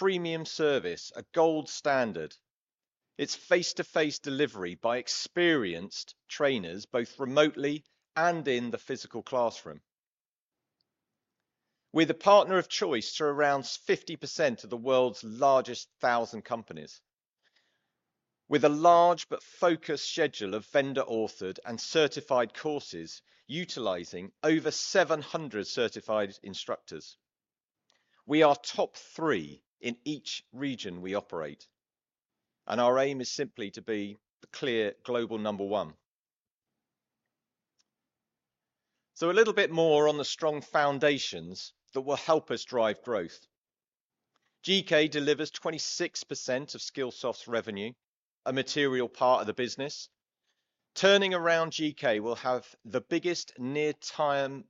Premium service, a gold standard. It's face-to-face delivery by experienced trainers, both remotely and in the physical classroom. We're the partner of choice to around 50% of the world's largest 1,000 companies, with a large but focused schedule of vendor-authored and certified courses, utilizing over 700 certified instructors. We are top 3 in each region we operate, and our aim is simply to be the clear global number one. So a little bit more on the strong foundations that will help us drive growth. GK delivers 26% of Skillsoft's revenue, a material part of the business. Turning around GK will have the biggest near-term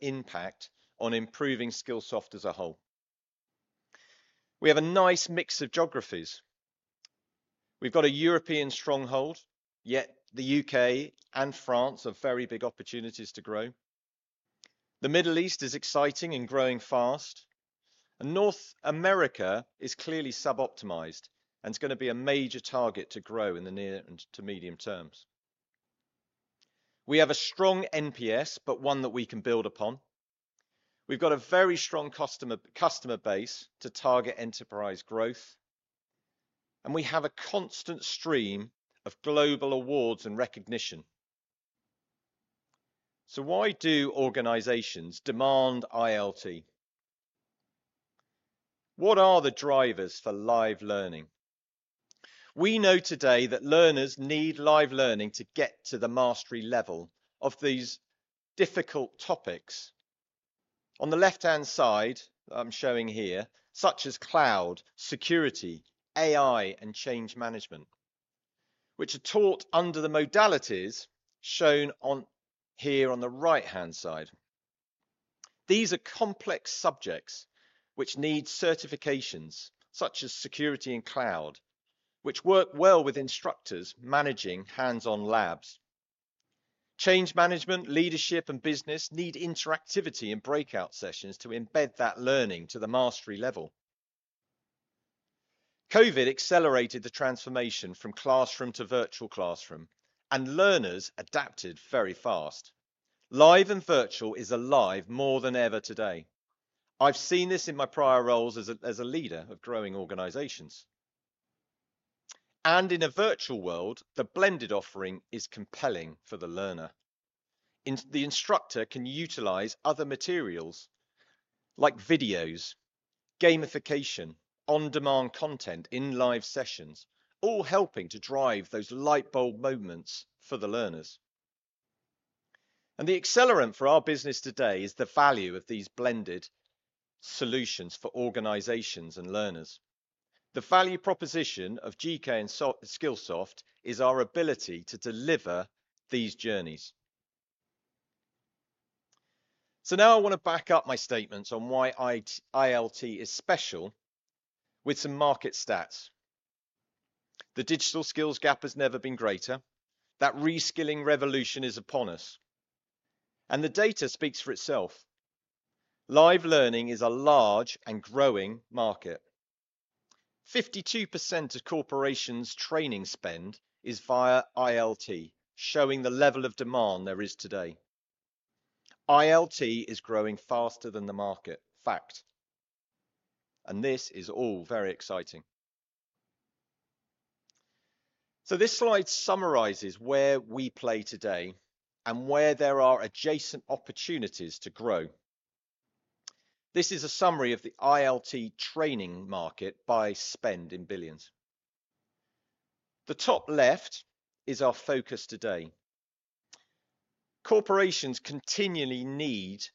impact on improving Skillsoft as a whole. We have a nice mix of geographies. We've got a European stronghold, yet the UK and France have very big opportunities to grow. The Middle East is exciting and growing fast, and North America is clearly sub-optimized, and it's gonna be a major target to grow in the near and to medium terms. We have a strong NPS, but one that we can build upon. We've got a very strong customer, customer base to target enterprise growth, and we have a constant stream of global awards and recognition. So why do organizations demand ILT? What are the drivers for live learning? We know today that learners need live learning to get to the mastery level of these difficult topics. On the left-hand side, I'm showing here, such as cloud, security, AI, and change management, which are taught under the modalities shown on... here on the right-hand side. These are complex subjects which need certifications, such as security and cloud, which work well with instructors managing hands-on labs. Change management, leadership, and business need interactivity and breakout sessions to embed that learning to the mastery level. COVID accelerated the transformation from classroom to virtual classroom, and learners adapted very fast. Live and virtual is alive more than ever today. I've seen this in my prior roles as a, as a leader of growing organizations. And in a virtual world, the blended offering is compelling for the learner. The instructor can utilize other materials like videos, gamification, on-demand content in live sessions, all helping to drive those light bulb moments for the learners. And the accelerant for our business today is the value of these blended solutions for organizations and learners. The value proposition of GK and Skillsoft is our ability to deliver these journeys. So now I wanna back up my statements on why ILT is special with some market stats. The digital skills gap has never been greater. That reskilling revolution is upon us, and the data speaks for itself. Live learning is a large and growing market. 52% of corporations' training spend is via ILT, showing the level of demand there is today. ILT is growing faster than the market. Fact. This is all very exciting. This slide summarizes where we play today and where there are adjacent opportunities to grow. This is a summary of the ILT training market by spend in billions. The top left is our focus today. Corporations continually need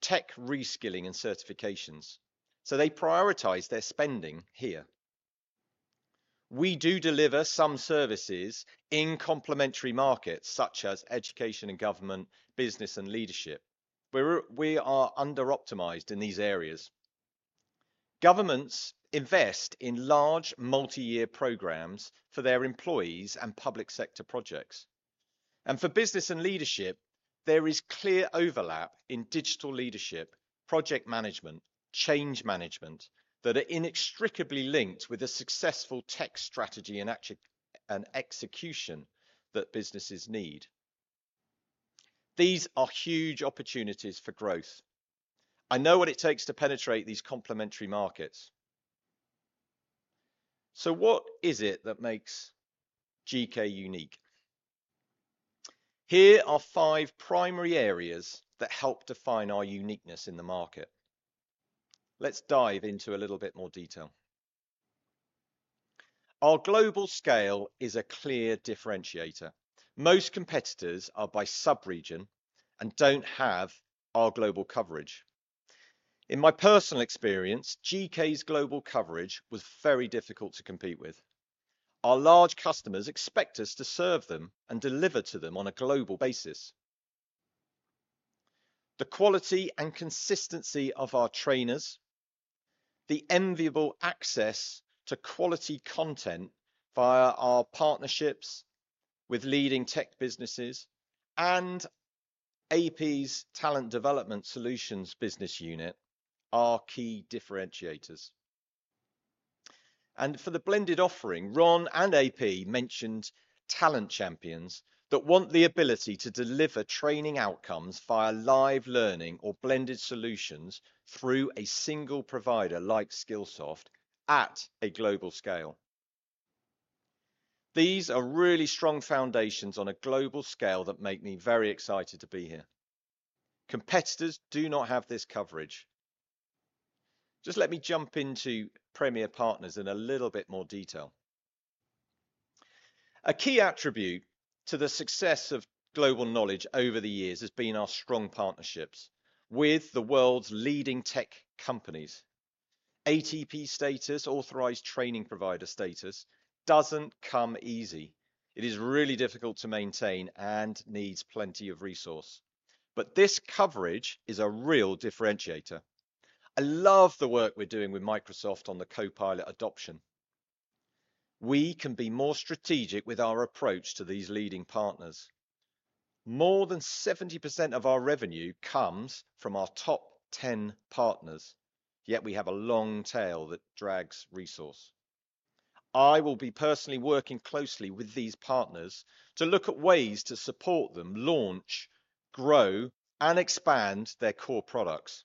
tech reskilling and certifications, so they prioritize their spending here. We do deliver some services in complementary markets, such as education and government, business and leadership, where we are underoptimized in these areas. Governments invest in large, multi-year programs for their employees and public sector projects, and for business and leadership, there is clear overlap in digital leadership, project management, change management that are inextricably linked with a successful tech strategy and execution that businesses need. These are huge opportunities for growth. I know what it takes to penetrate these complementary markets. So what is it that makes GK unique? Here are five primary areas that help define our uniqueness in the market. Let's dive into a little bit more detail. Our global scale is a clear differentiator. Most competitors are by sub-region and don't have our global coverage. In my personal experience, GK's global coverage was very difficult to compete with. Our large customers expect us to serve them and deliver to them on a global basis. The quality and consistency of our trainers, the enviable access to quality content via our partnerships with leading tech businesses, and our AP's Talent Development Solutions business unit are key differentiators. For the blended offering, Ron and AP mentioned Talent Champions that want the ability to deliver training outcomes via live learning or blended solutions through a single provider like Skillsoft at a global scale. These are really strong foundations on a global scale that make me very excited to be here. Competitors do not have this coverage. Just let me jump into premier partners in a little bit more detail. A key attribute to the success of Global Knowledge over the years has been our strong partnerships with the world's leading tech companies. ATP status, Authorized Training Provider status, doesn't come easy. It is really difficult to maintain and needs plenty of resource, but this coverage is a real differentiator. I love the work we're doing with Microsoft on the Copilot adoption. We can be more strategic with our approach to these leading partners. More than 70% of our revenue comes from our top 10 partners, yet we have a long tail that drags resource. I will be personally working closely with these partners to look at ways to support them launch, grow, and expand their core products.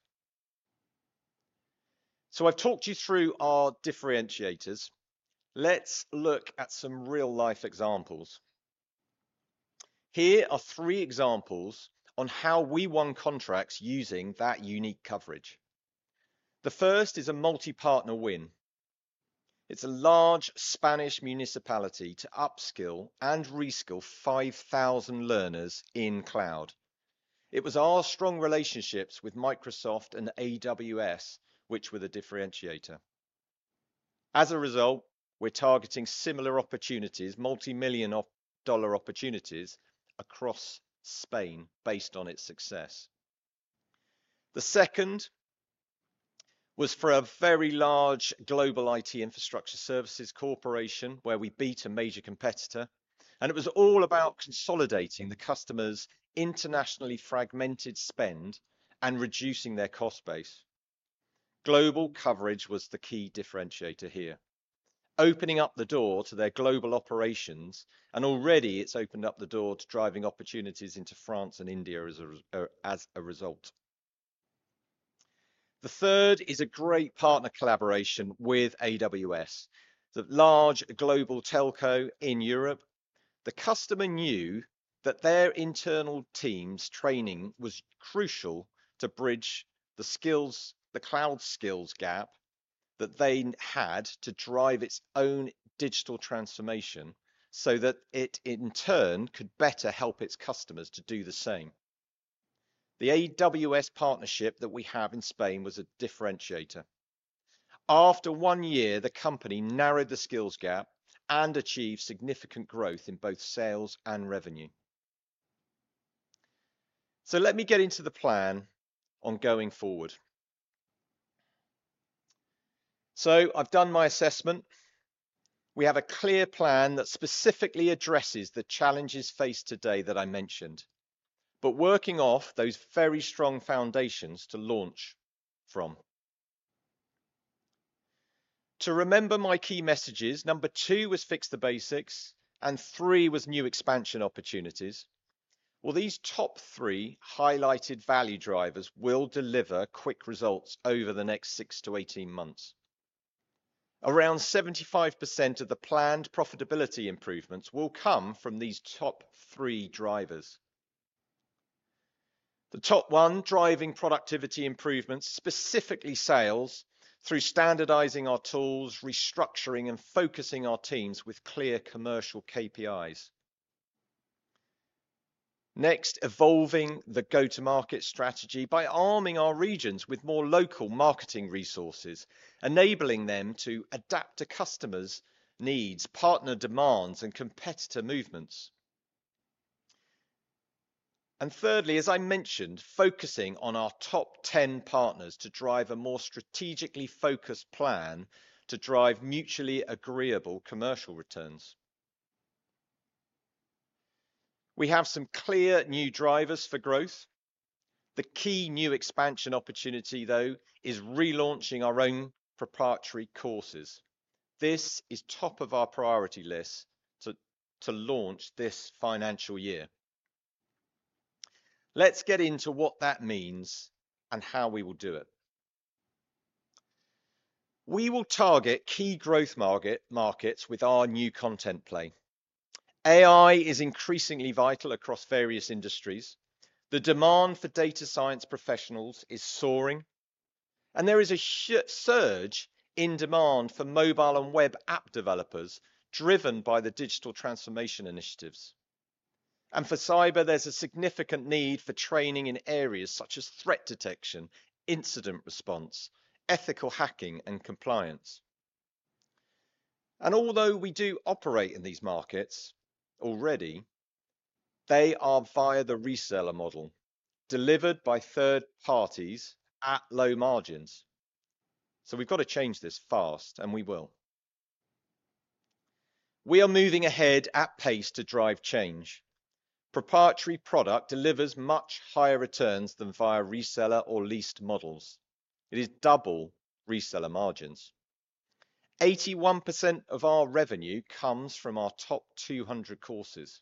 So I've talked you through our differentiators. Let's look at some real-life examples. Here are 3 examples on how we won contracts using that unique coverage. The first is a multi-partner win. It's a large Spanish municipality to upskill and reskill 5,000 learners in cloud. It was our strong relationships with Microsoft and AWS, which were the differentiator. As a result, we're targeting similar opportunities, multi-million-dollar opportunities across Spain based on its success. The second was for a very large global IT infrastructure services corporation, where we beat a major competitor, and it was all about consolidating the customer's internationally fragmented spend and reducing their cost base. Global coverage was the key differentiator here, opening up the door to their global operations, and already it's opened up the door to driving opportunities into France and India as a result. The third is a great partner collaboration with AWS, the large global telco in Europe. The customer knew that their internal team's training was crucial to bridge the skills, the cloud skills gap, that they had to drive its own digital transformation, so that it, in turn, could better help its customers to do the same. The AWS partnership that we have in Spain was a differentiator. After 1 year, the company narrowed the skills gap and achieved significant growth in both sales and revenue. So let me get into the plan on going forward. So I've done my assessment. We have a clear plan that specifically addresses the challenges faced today that I mentioned, but working off those very strong foundations to launch from. To remember my key messages, number 2 was fix the basics, and 3 was new expansion opportunities. Well, these top 3 highlighted value drivers will deliver quick results over the next 6-18 months. Around 75% of the planned profitability improvements will come from these top 3 drivers. The top 1, driving productivity improvements, specifically sales, through standardizing our tools, restructuring and focusing our teams with clear commercial KPIs. Next, evolving the go-to-market strategy by arming our regions with more local marketing resources, enabling them to adapt to customers' needs, partner demands, and competitor movements. And thirdly, as I mentioned, focusing on our top 10 partners to drive a more strategically focused plan to drive mutually agreeable commercial returns. We have some clear new drivers for growth. The key new expansion opportunity, though, is relaunching our own proprietary courses. This is top of our priority list to launch this financial year. Let's get into what that means and how we will do it. We will target key growth markets with our new content play. AI is increasingly vital across various industries. The demand for data science professionals is soaring, and there is a surge in demand for mobile and web app developers, driven by the digital transformation initiatives. For cyber, there's a significant need for training in areas such as threat detection, incident response, ethical hacking, and compliance. Although we do operate in these markets already, they are via the reseller model, delivered by third parties at low margins. So we've got to change this fast, and we will. We are moving ahead at pace to drive change. Proprietary product delivers much higher returns than via reseller or leased models. It is double reseller margins. 81% of our revenue comes from our top 200 courses.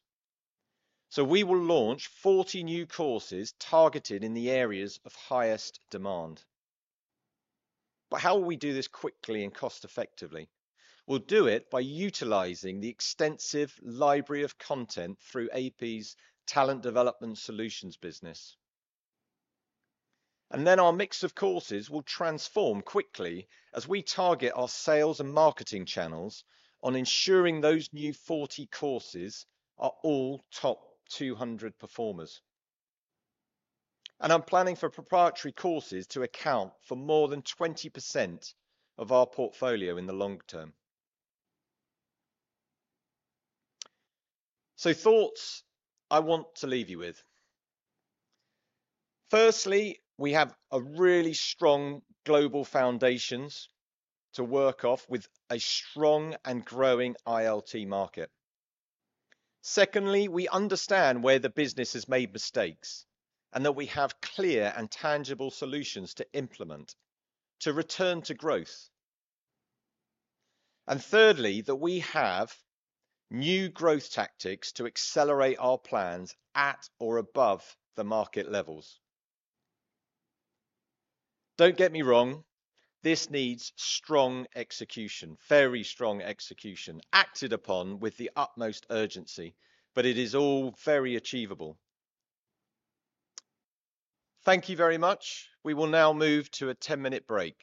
So we will launch 40 new courses targeted in the areas of highest demand. But how will we do this quickly and cost-effectively? We'll do it by utilizing the extensive library of content through AP's Talent Development Solutions business. And then our mix of courses will transform quickly as we target our sales and marketing channels on ensuring those new 40 courses are all top 200 performers. And I'm planning for proprietary courses to account for more than 20% of our portfolio in the long term. So, thoughts I want to leave you with. Firstly, we have a really strong global foundation to work off with a strong and growing ILT market. Secondly, we understand where the business has made mistakes, and that we have clear and tangible solutions to implement to return to growth. And thirdly, that we have new growth tactics to accelerate our plans at or above the market levels. Don't get me wrong, this needs strong execution, very strong execution, acted upon with the utmost urgency, but it is all very achievable. Thank you very much. We will now move to a 10-minute break.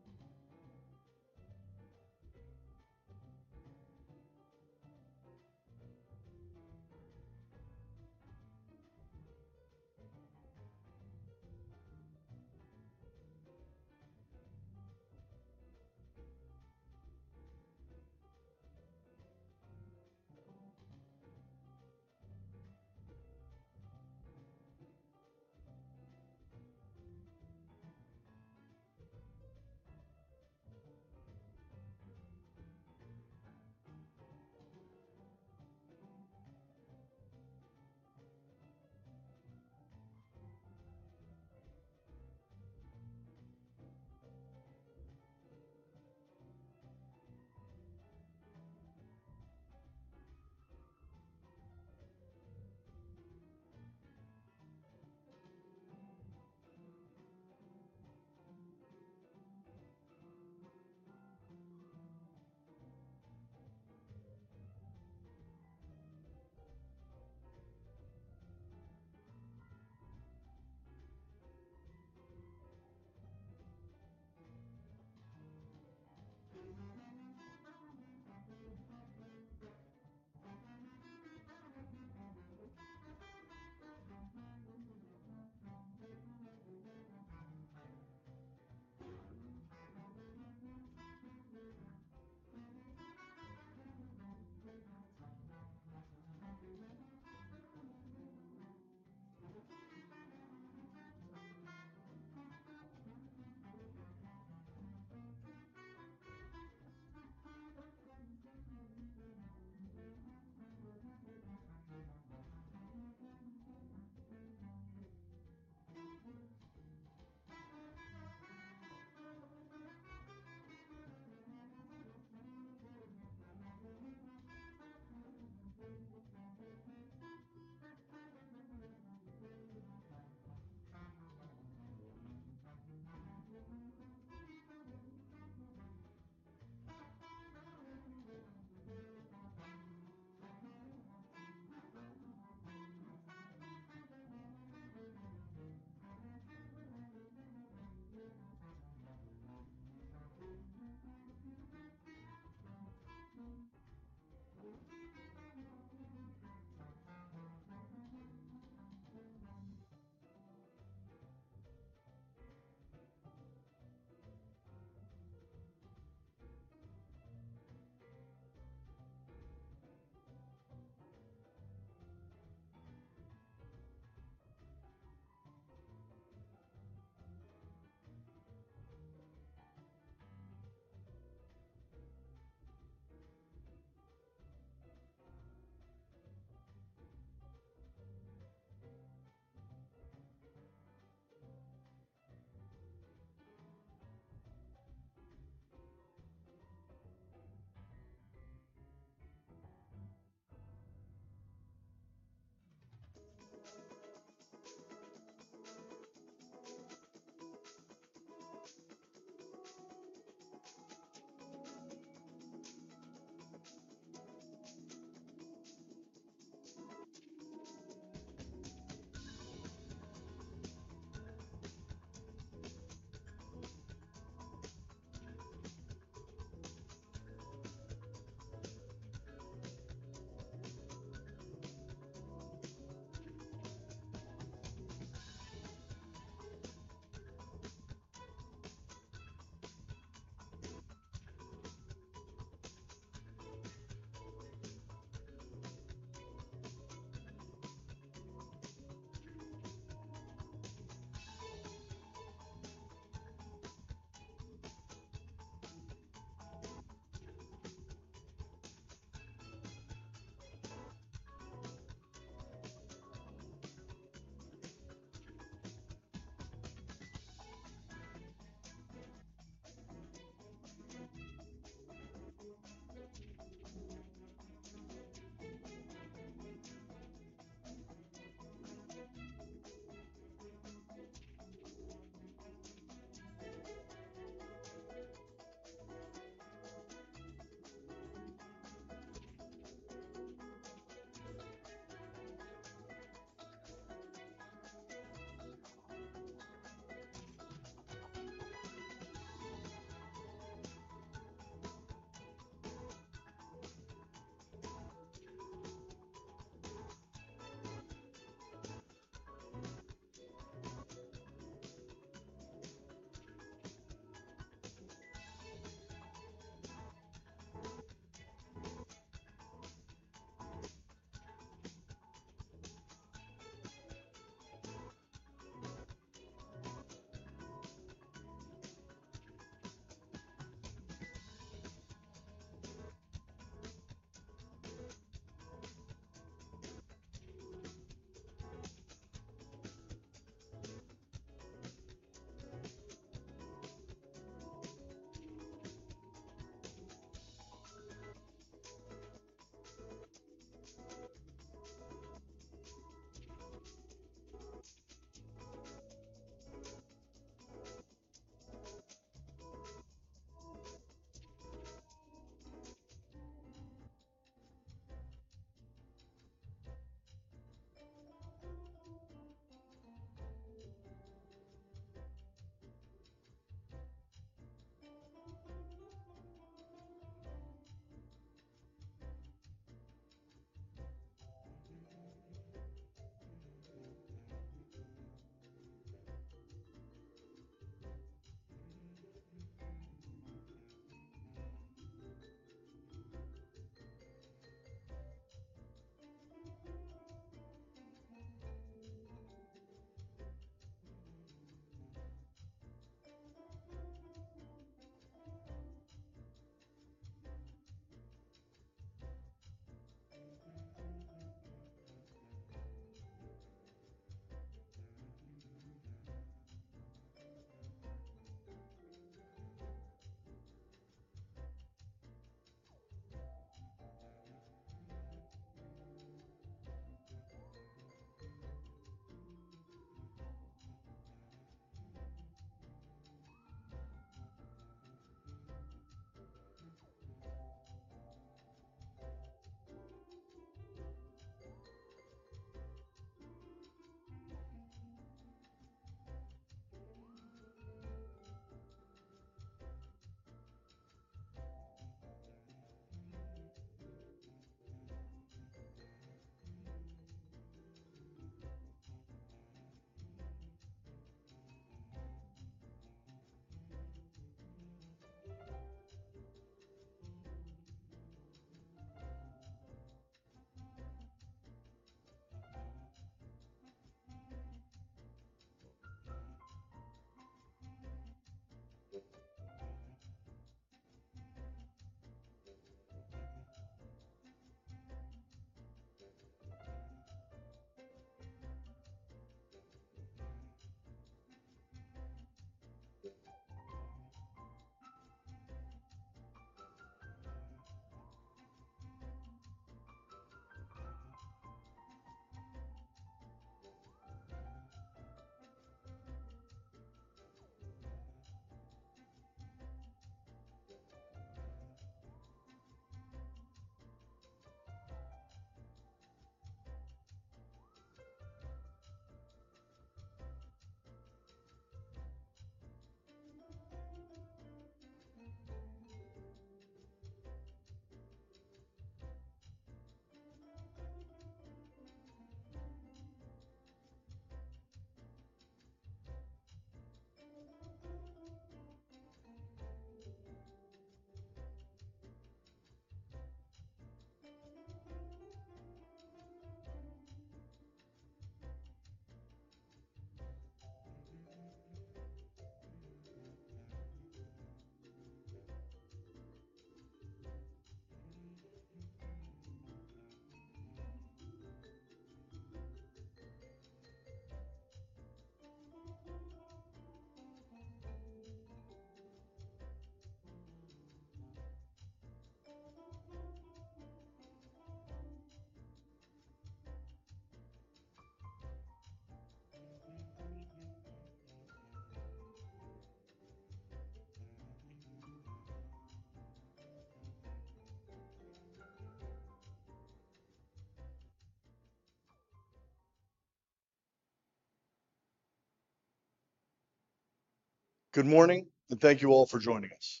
Good morning, and thank you all for joining us.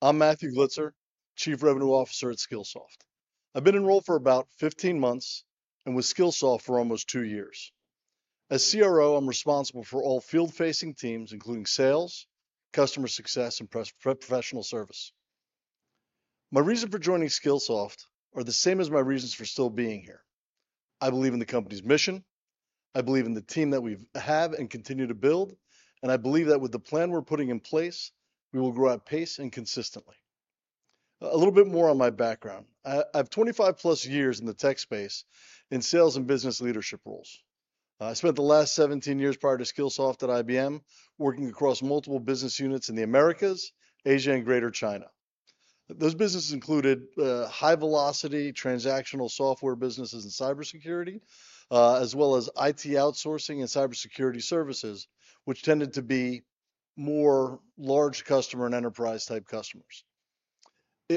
I'm Matthew Glitzer, Chief Revenue Officer at Skillsoft. I've been in role for about 15 months and with Skillsoft for almost 2 years. As CRO, I'm responsible for all field-facing teams, including sales, customer success, and professional services. My reason for joining Skillsoft is the same as my reasons for still being here. I believe in the company's mission, I believe in the team that we have, and I believe that with the plan we're putting in place, we will grow at pace and consistently. A little bit more on my background. I have 25+ years in the tech space in sales and business leadership roles. I spent the last 17 years prior to Skillsoft at IBM, working across multiple business units in the Americas, Asia, and Greater China. Those businesses included high-velocity, transactional software businesses and cybersecurity, as well as IT outsourcing and cybersecurity services, which tended to be more large customer and enterprise-type customers.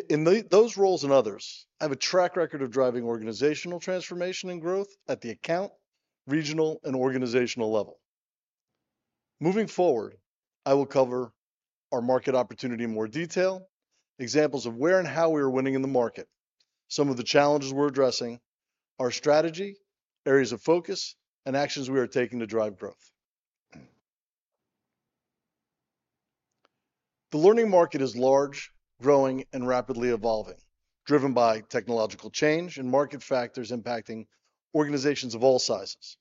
In those roles and others, I have a track record of driving organizational transformation and growth at the account, regional, and organizational level. Moving forward, I will cover our market opportunity in more detail, examples of where and how we are winning in the market, some of the challenges we're addressing, our strategy, areas of focus, and actions we are taking to drive growth. The learning market is large, growing, and rapidly evolving, driven by technological change and market factors impacting organizations of all sizes.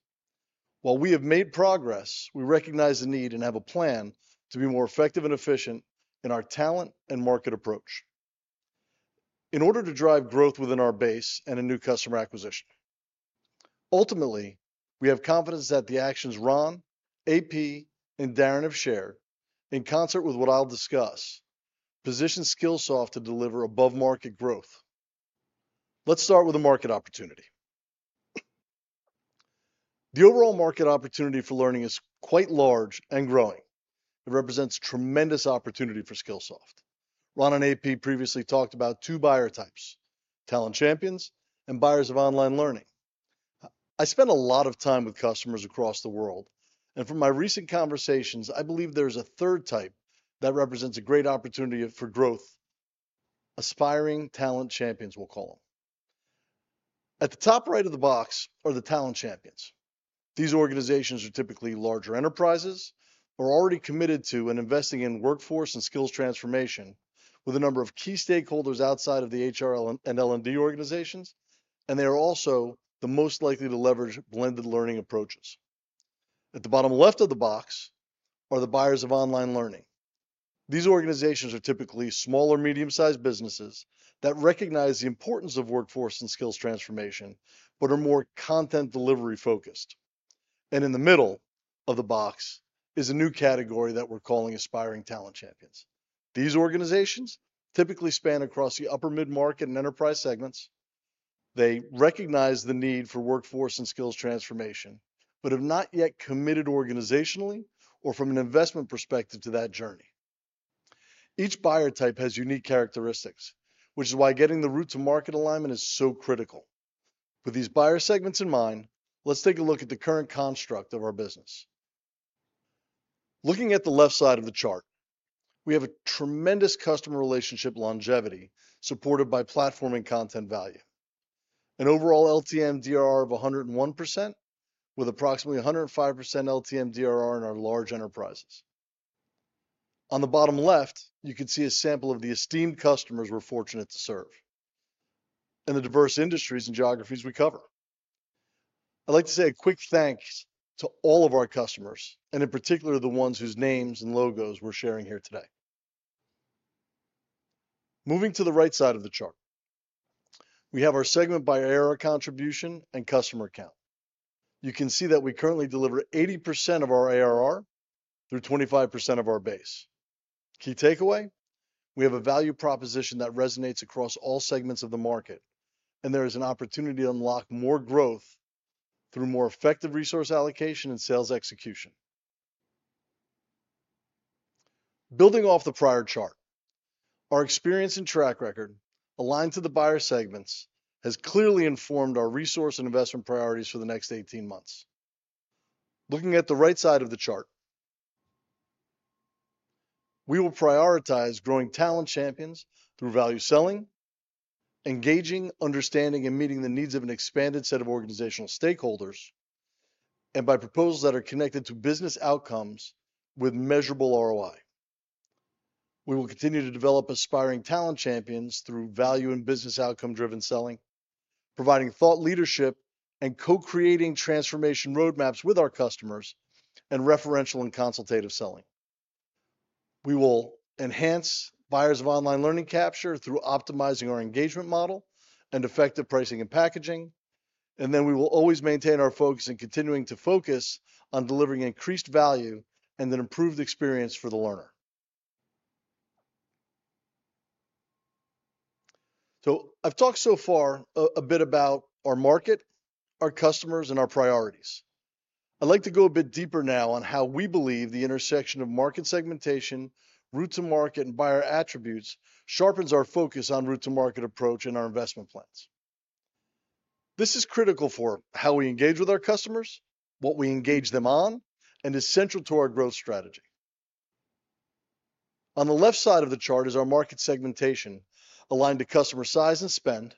While we have made progress, we recognize the need, and have a plan to be more effective and efficient in our talent and market approach in order to drive growth within our base and in new customer acquisition. Ultimately, we have confidence that the actions Ron, AP, and Darren have shared, in concert with what I'll discuss, position Skillsoft to deliver above-market growth. Let's start with the market opportunity. The overall market opportunity for learning is quite large and growing. It represents tremendous opportunity for Skillsoft. Ron and AP previously talked about two buyer types: Talent Champions and Buyers of Online Learning. I spent a lot of time with customers across the world, and from my recent conversations, I believe there's a third type that represents a great opportunity for growth: Aspiring Talent Champions, we'll call them. At the top right of the box are the Talent Champions. These organizations are typically larger enterprises who are already committed to and investing in workforce and skills transformation, with a number of key stakeholders outside of the HR and L&D organizations, and they are also the most likely to leverage blended learning approaches. At the bottom left of the box are the Buyers of Online Learning. These organizations are typically small or medium-sized businesses that recognize the importance of workforce and skills transformation, but are more content delivery-focused. In the middle of the box is a new category that we're calling Aspiring Talent Champions. These organizations typically span across the upper mid-market and enterprise segments. They recognize the need for workforce and skills transformation, but have not yet committed organizationally or from an investment perspective to that journey. Each buyer type has unique characteristics, which is why getting the route to market alignment is so critical. With these buyer segments in mind, let's take a look at the current construct of our business. Looking at the left side of the chart, we have a tremendous customer relationship longevity, supported by platform and content value. An overall LTM DRR of 101%, with approximately 105% LTM DRR in our large enterprises. On the bottom left, you can see a sample of the esteemed customers we're fortunate to serve and the diverse industries and geographies we cover. I'd like to say a quick thanks to all of our customers, and in particular, the ones whose names and logos we're sharing here today. Moving to the right side of the chart, we have our segment by ARR contribution and customer count. You can see that we currently deliver 80% of our ARR through 25% of our base. Key takeaway? We have a value proposition that resonates across all segments of the market, and there is an opportunity to unlock more growth through more effective resource allocation and sales execution. Building off the prior chart, our experience and track record, aligned to the buyer segments, has clearly informed our resource and investment priorities for the next 18 months. Looking at the right side of the chart, we will prioritize growing Talent Champions through value selling, engaging, understanding, and meeting the needs of an expanded set of organizational stakeholders, and by proposals that are connected to business outcomes with measurable ROI. We will continue to develop Aspiring Talent Champions through value and business outcome-driven selling, providing thought leadership, and co-creating transformation roadmaps with our customers, and referential and consultative selling. We will enhance Buyers of Online Learning capture through optimizing our engagement model and effective pricing and packaging, and then we will always maintain our focus in continuing to focus on delivering increased value and an improved experience for the learner. So I've talked so far a bit about our market, our customers, and our priorities. I'd like to go a bit deeper now on how we believe the intersection of market segmentation, route to market, and buyer attributes sharpens our focus on route to market approach and our investment plans. This is critical for how we engage with our customers, what we engage them on, and is central to our growth strategy. On the left side of the chart is our market segmentation, aligned to customer size and spend.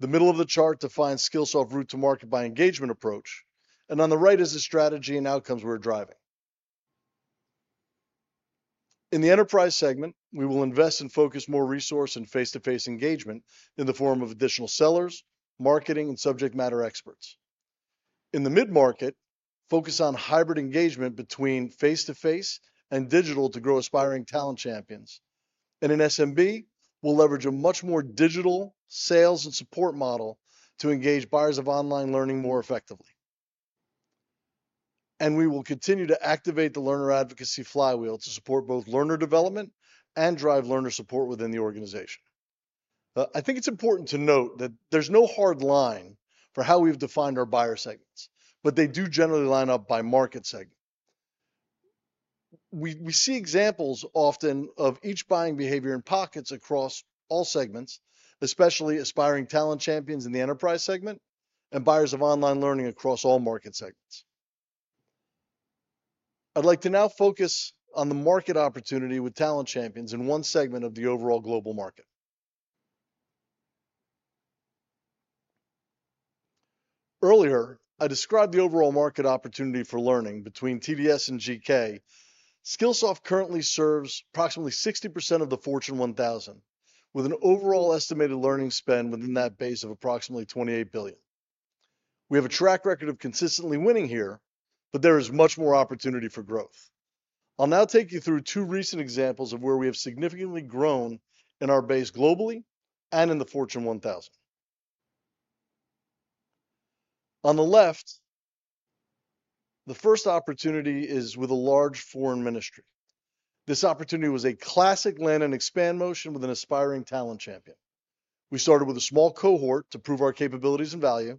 The middle of the chart defines Skillsoft route to market by engagement approach, and on the right is the strategy and outcomes we're driving. In the enterprise segment, we will invest and focus more resource and face-to-face engagement in the form of additional sellers, marketing, and subject matter experts. In the mid-market, focus on hybrid engagement between face-to-face and digital to grow Aspiring Talent Champions. In SMB, we'll leverage a much more digital sales and support model to engage Buyers of Online Learning more effectively. We will continue to activate the learner advocacy flywheel to support both learner development and drive learner support within the organization. I think it's important to note that there's no hard line for how we've defined our buyer segments, but they do generally line up by market segment. We see examples often of each buying behavior in pockets across all segments, especially Aspiring Talent Champions in the enterprise segment and Buyers of Online Learning across all market segments. I'd like to now focus on the market opportunity with Talent Champions in one segment of the overall global market. Earlier, I described the overall market opportunity for learning between TDS and GK. Skillsoft currently serves approximately 60% of the Fortune 1000, with an overall estimated learning spend within that base of approximately $28 billion. We have a track record of consistently winning here, but there is much more opportunity for growth. I'll now take you through two recent examples of where we have significantly grown in our base globally and in the Fortune 1000. On the left, the first opportunity is with a large foreign ministry. This opportunity was a classic land and expand motion with an aspiring talent champion. We started with a small cohort to prove our capabilities and value.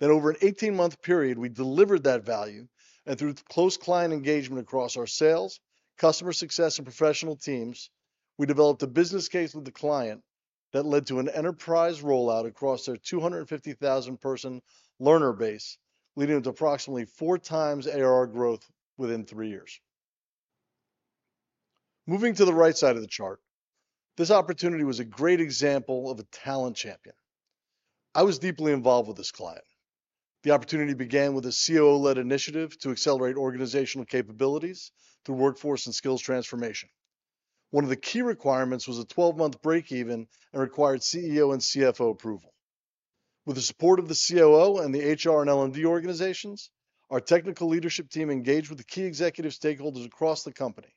Then, over an 18-month period, we delivered that value, and through close client engagement across our sales, customer success, and professional teams, we developed a business case with the client that led to an enterprise rollout across their 250,000-person learner base, leading to approximately 4x ARR growth within 3 years. Moving to the right side of the chart, this opportunity was a great example of a talent champion. I was deeply involved with this client. The opportunity began with a COO-led initiative to accelerate organizational capabilities through workforce and skills transformation. One of the key requirements was a 12-month break even and required CEO and CFO approval. With the support of the COO and the HR and L&D organizations, our technical leadership team engaged with the key executive stakeholders across the company,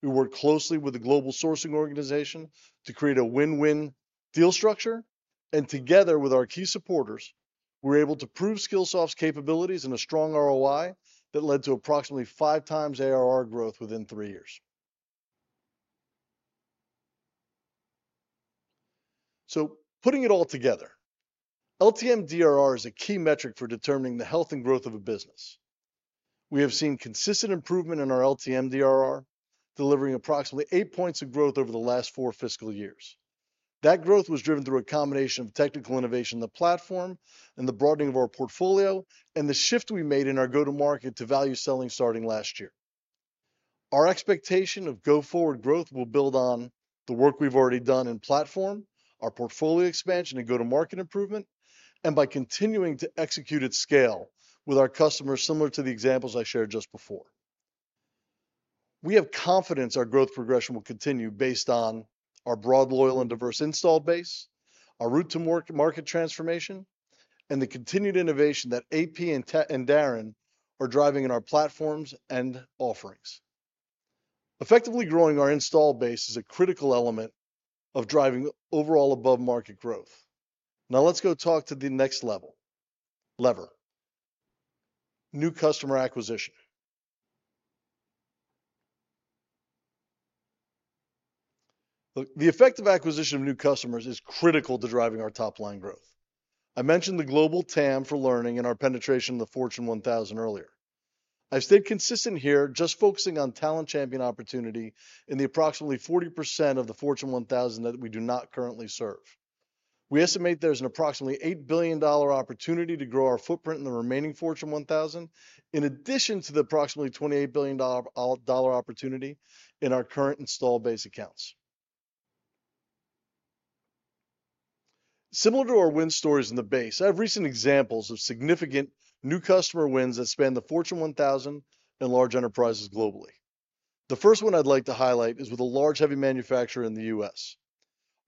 who worked closely with the global sourcing organization to create a win-win deal structure, and together with our key supporters, we were able to prove Skillsoft's capabilities and a strong ROI that led to approximately 5 times ARR growth within 3 years. So putting it all together, LTM DRR is a key metric for determining the health and growth of a business. We have seen consistent improvement in our LTM DRR, delivering approximately 8 points of growth over the last 4 fiscal years. That growth was driven through a combination of technical innovation in the platform and the broadening of our portfolio, and the shift we made in our go-to-market to value selling starting last year. Our expectation of go-forward growth will build on the work we've already done in platform, our portfolio expansion and go-to-market improvement, and by continuing to execute at scale with our customers, similar to the examples I shared just before. We have confidence our growth progression will continue based on our broad, loyal, and diverse install base, our route-to-market transformation, and the continued innovation that AP and team and Darren are driving in our platforms and offerings. Effectively growing our install base is a critical element of driving overall above-market growth. Now, let's go talk to the next level, lever: new customer acquisition. Look, the effective acquisition of new customers is critical to driving our top-line growth. I mentioned the global TAM for learning and our penetration in the Fortune 1000 earlier. I've stayed consistent here, just focusing on talent champion opportunity in the approximately 40% of the Fortune 1000 that we do not currently serve. We estimate there's an approximately $8 billion-dollar opportunity to grow our footprint in the remaining Fortune 1000, in addition to the approximately $28 billion-dollar opportunity in our current install base accounts. Similar to our win stories in the base, I have recent examples of significant new customer wins that span the Fortune 1000 and large enterprises globally. The first one I'd like to highlight is with a large heavy manufacturer in the US.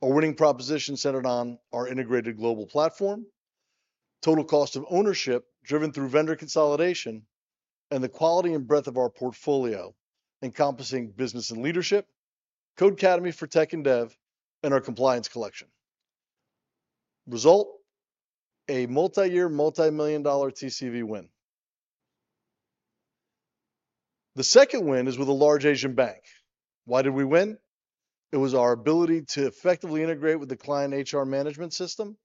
Our winning proposition centered on our integrated global platform, total cost of ownership driven through vendor consolidation, and the quality and breadth of our portfolio, encompassing Business & Leadership, Codecademy for Tech &Dev, and our compliance collection. Result? A multiyear, multi-million-dollar TCV win. The second win is with a large Asian bank. Why did we win? It was our ability to effectively integrate with the client HR management system,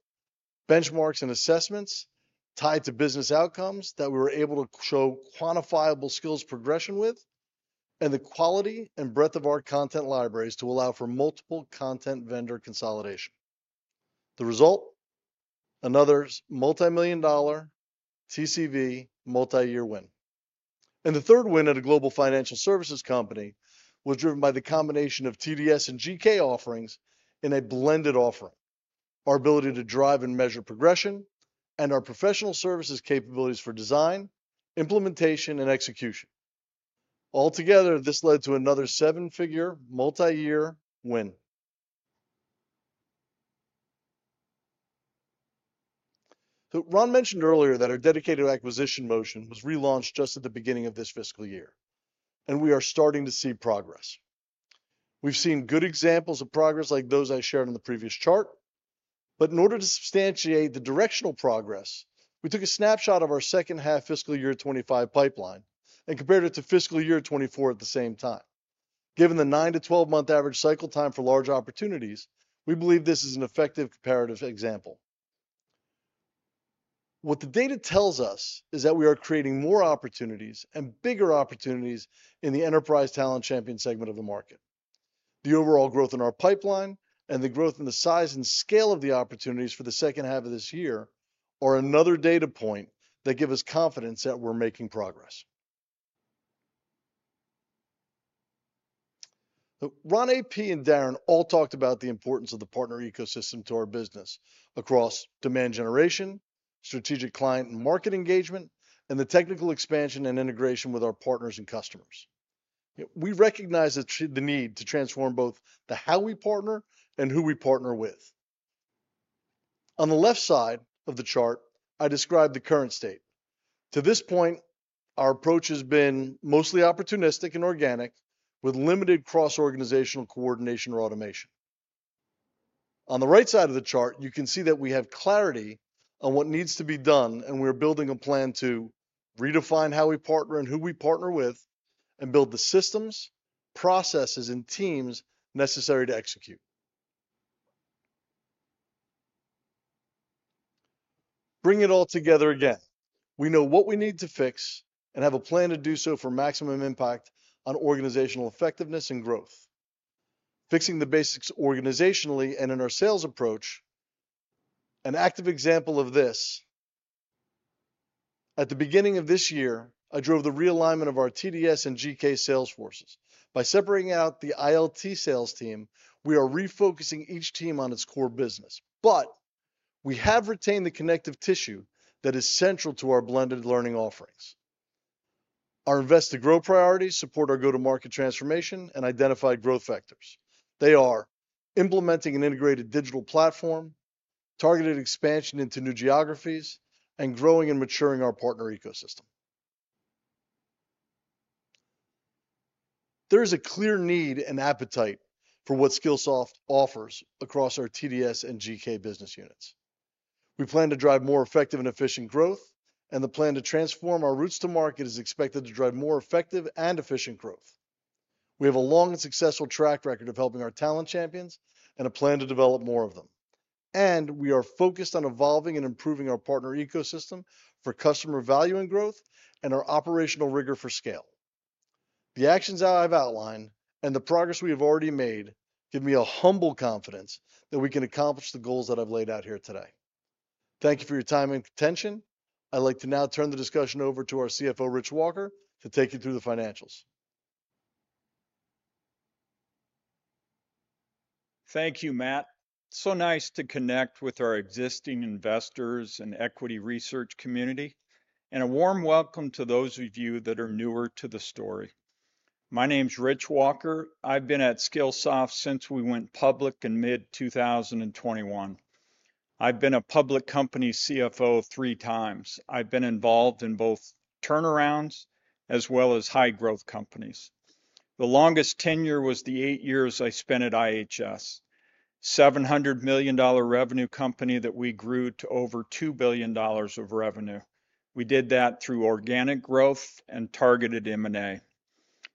benchmarks and assessments tied to business outcomes that we were able to show quantifiable skills progression with, and the quality and breadth of our content libraries to allow for multiple content vendor consolidation. The result? Another multi-million-dollar TCV multi-year win. The third win at a global financial services company was driven by the combination of TDS and GK offerings in a blended offering. Our ability to drive and measure progression, and our professional services capabilities for design, implementation, and execution. Altogether, this led to another seven-figure, multi-year win. Ron mentioned earlier that our dedicated acquisition motion was relaunched just at the beginning of this fiscal year, and we are starting to see progress. We've seen good examples of progress like those I shared in the previous chart. But in order to substantiate the directional progress, we took a snapshot of our second half fiscal year 25 pipeline and compared it to fiscal year 24 at the same time. Given the 9-12-month average cycle time for large opportunities, we believe this is an effective comparative example. What the data tells us is that we are creating more opportunities and bigger opportunities in the enterprise talent champion segment of the market. The overall growth in our pipeline and the growth in the size and scale of the opportunities for the second half of this year are another data point that give us confidence that we're making progress. Ron, AP, and Darren all talked about the importance of the partner ecosystem to our business across demand generation, strategic client and market engagement, and the technical expansion and integration with our partners and customers. We recognize the need to transform both the how we partner and who we partner with. On the left side of the chart, I described the current state. To this point, our approach has been mostly opportunistic and organic, with limited cross-organizational coordination or automation. On the right side of the chart, you can see that we have clarity on what needs to be done, and we are building a plan to redefine how we partner and who we partner with and build the systems, processes, and teams necessary to execute. Bring it all together again. We know what we need to fix and have a plan to do so for maximum impact on organizational effectiveness and growth. Fixing the basics organizationally and in our sales approach, an active example of this: at the beginning of this year, I drove the realignment of our TDS and GK sales forces. By separating out the ILT sales team, we are refocusing each team on its core business, but we have retained the connective tissue that is central to our blended learning offerings. Our invest to grow priorities support our go-to-market transformation and identify growth vectors. They are: implementing an integrated digital platform, targeted expansion into new geographies, and growing and maturing our partner ecosystem. There is a clear need and appetite for what Skillsoft offers across our TDS and GK business units. We plan to drive more effective and efficient growth, and the plan to transform our routes to market is expected to drive more effective and efficient growth. We have a long and successful track record of helping our Talent Champions, and a plan to develop more of them. We are focused on evolving and improving our partner ecosystem for customer value and growth and our operational rigor for scale. The actions that I've outlined and the progress we have already made, give me a humble confidence that we can accomplish the goals that I've laid out here today. Thank you for your time and attention. I'd like to now turn the discussion over to our CFO, Rich Walker, to take you through the financials. Thank you, Matt. So nice to connect with our existing investors and equity research community, and a warm welcome to those of you that are newer to the story. My name's Rich Walker. I've been at Skillsoft since we went public in mid-2021. I've been a public company CFO three times. I've been involved in both turnarounds as well as high-growth companies. The longest tenure was the eight years I spent at IHS, $700 million revenue company that we grew to over $2 billion of revenue. We did that through organic growth and targeted M&A.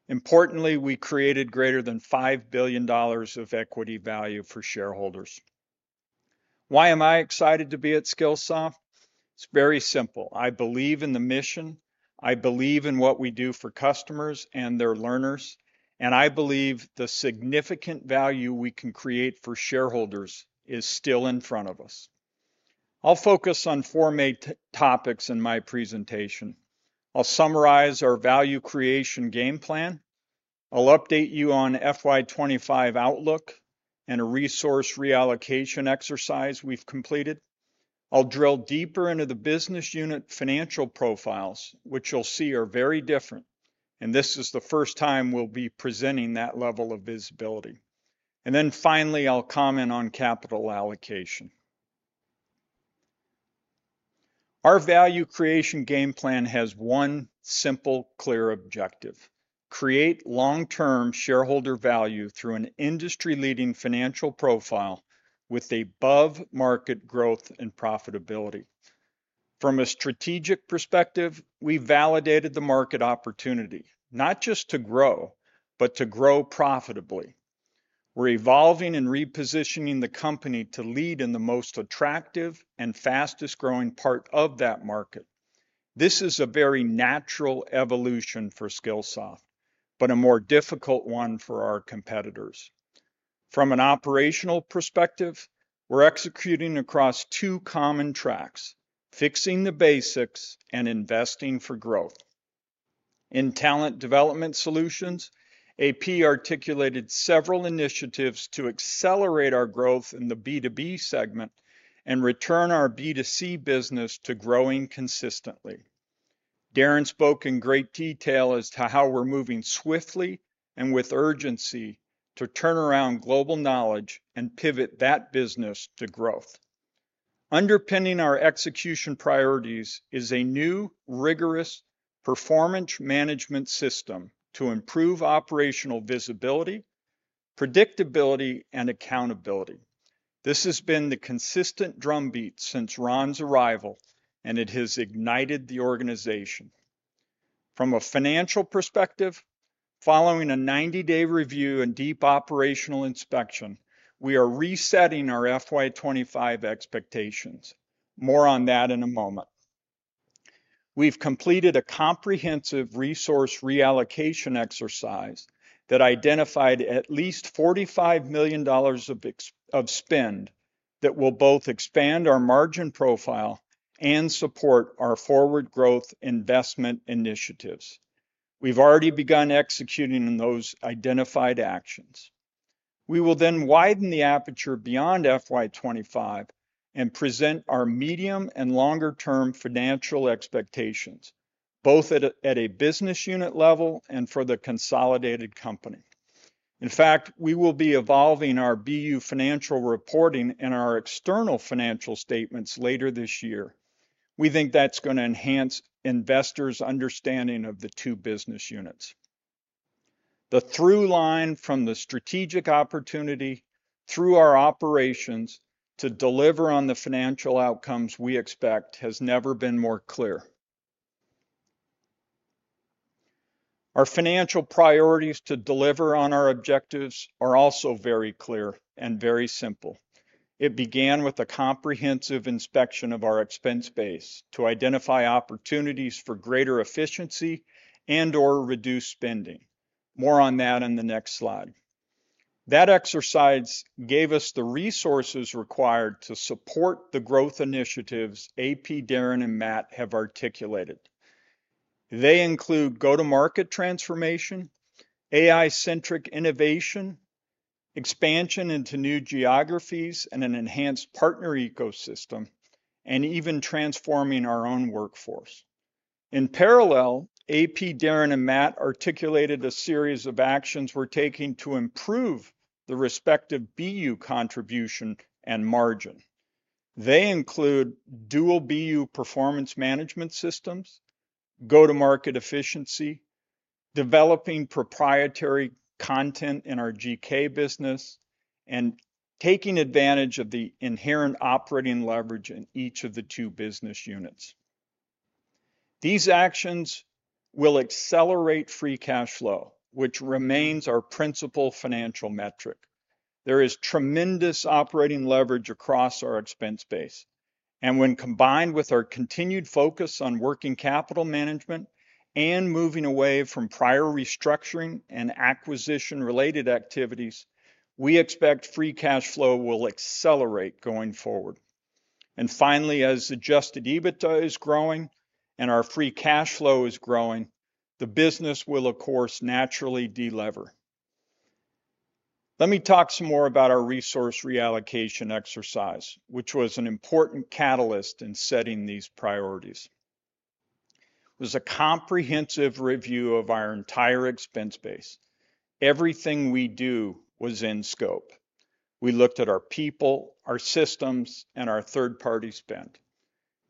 Importantly, we created greater than $5 billion of equity value for shareholders. Why am I excited to be at Skillsoft? It's very simple. I believe in the mission, I believe in what we do for customers and their learners, and I believe the significant value we can create for shareholders is still in front of us. I'll focus on four main topics in my presentation. I'll summarize our value creation game plan. I'll update you on FY 25 outlook and a resource reallocation exercise we've completed. I'll drill deeper into the business unit financial profiles, which you'll see are very different, and this is the first time we'll be presenting that level of visibility. And then finally, I'll comment on capital allocation. Our value creation game plan has one simple, clear objective: create long-term shareholder value through an industry-leading financial profile with above market growth and profitability. From a strategic perspective, we validated the market opportunity, not just to grow, but to grow profitably. We're evolving and repositioning the company to lead in the most attractive and fastest-growing part of that market. This is a very natural evolution for Skillsoft, but a more difficult one for our competitors. From an operational perspective, we're executing across two common tracks: fixing the basics and investing for growth... In Talent Development Solutions, AP articulated several initiatives to accelerate our growth in the B2B segment and return our B2C business to growing consistently. Darren spoke in great detail as to how we're moving swiftly and with urgency to turn around Global Knowledge and pivot that business to growth. Underpinning our execution priorities is a new, rigorous performance management system to improve operational visibility, predictability, and accountability. This has been the consistent drumbeat since Ron's arrival, and it has ignited the organization. From a financial perspective, following a 90-day review and deep operational inspection, we are resetting our FY 2025 expectations. More on that in a moment. We've completed a comprehensive resource reallocation exercise that identified at least $45 million of spend that will both expand our margin profile and support our forward growth investment initiatives. We've already begun executing on those identified actions. We will then widen the aperture beyond FY 2025 and present our medium- and longer-term financial expectations, both at a business unit level and for the consolidated company. In fact, we will be evolving our BU financial reporting and our external financial statements later this year. We think that's gonna enhance investors' understanding of the two business units. The through line from the strategic opportunity through our operations to deliver on the financial outcomes we expect has never been more clear. Our financial priorities to deliver on our objectives are also very clear and very simple. It began with a comprehensive inspection of our expense base to identify opportunities for greater efficiency and/or reduce spending. More on that in the next slide. That exercise gave us the resources required to support the growth initiatives AP, Darren, and Matt have articulated. They include go-to-market transformation, AI-centric innovation, expansion into new geographies, and an enhanced partner ecosystem, and even transforming our own workforce. In parallel, AP, Darren, and Matt articulated a series of actions we're taking to improve the respective BU contribution and margin. They include dual BU performance management systems, go-to-market efficiency, developing proprietary content in our GK business, and taking advantage of the inherent operating leverage in each of the two business units. These actions will accelerate free cash flow, which remains our principal financial metric. There is tremendous operating leverage across our expense base, and when combined with our continued focus on working capital management and moving away from prior restructuring and acquisition-related activities, we expect free cash flow will accelerate going forward. And finally, as Adjusted EBITDA is growing and our free cash flow is growing, the business will, of course, naturally de-lever. Let me talk some more about our resource reallocation exercise, which was an important catalyst in setting these priorities. It was a comprehensive review of our entire expense base. Everything we do was in scope. We looked at our people, our systems, and our third-party spend.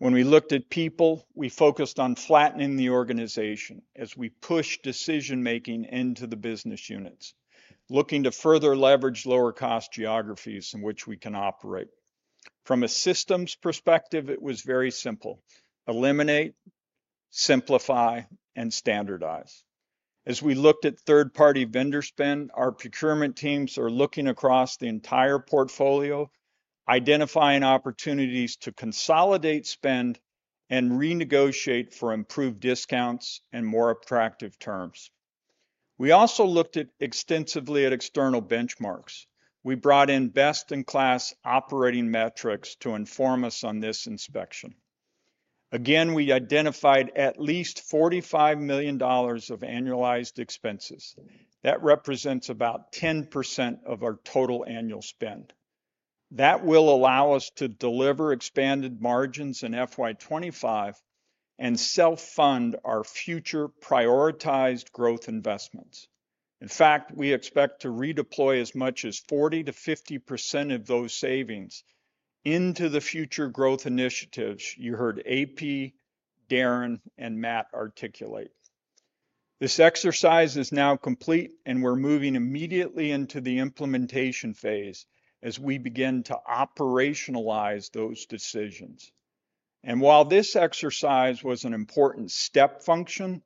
When we looked at people, we focused on flattening the organization as we pushed decision-making into the business units, looking to further leverage lower-cost geographies in which we can operate. From a systems perspective, it was very simple: eliminate, simplify, and standardize. As we looked at third-party vendor spend, our procurement teams are looking across the entire portfolio, identifying opportunities to consolidate spend, and renegotiate for improved discounts and more attractive terms. We also looked at extensively at external benchmarks. We brought in best-in-class operating metrics to inform us on this inspection. Again, we identified at least $45 million of annualized expenses. That represents about 10% of our total annual spend. That will allow us to deliver expanded margins in FY 2025 and self-fund our future prioritized growth investments. In fact, we expect to redeploy as much as 40%-50% of those savings into the future growth initiatives you heard AP, Darren, and Matt articulate. This exercise is now complete, and we're moving immediately into the implementation phase as we begin to operationalize those decisions. While this exercise was an important step function,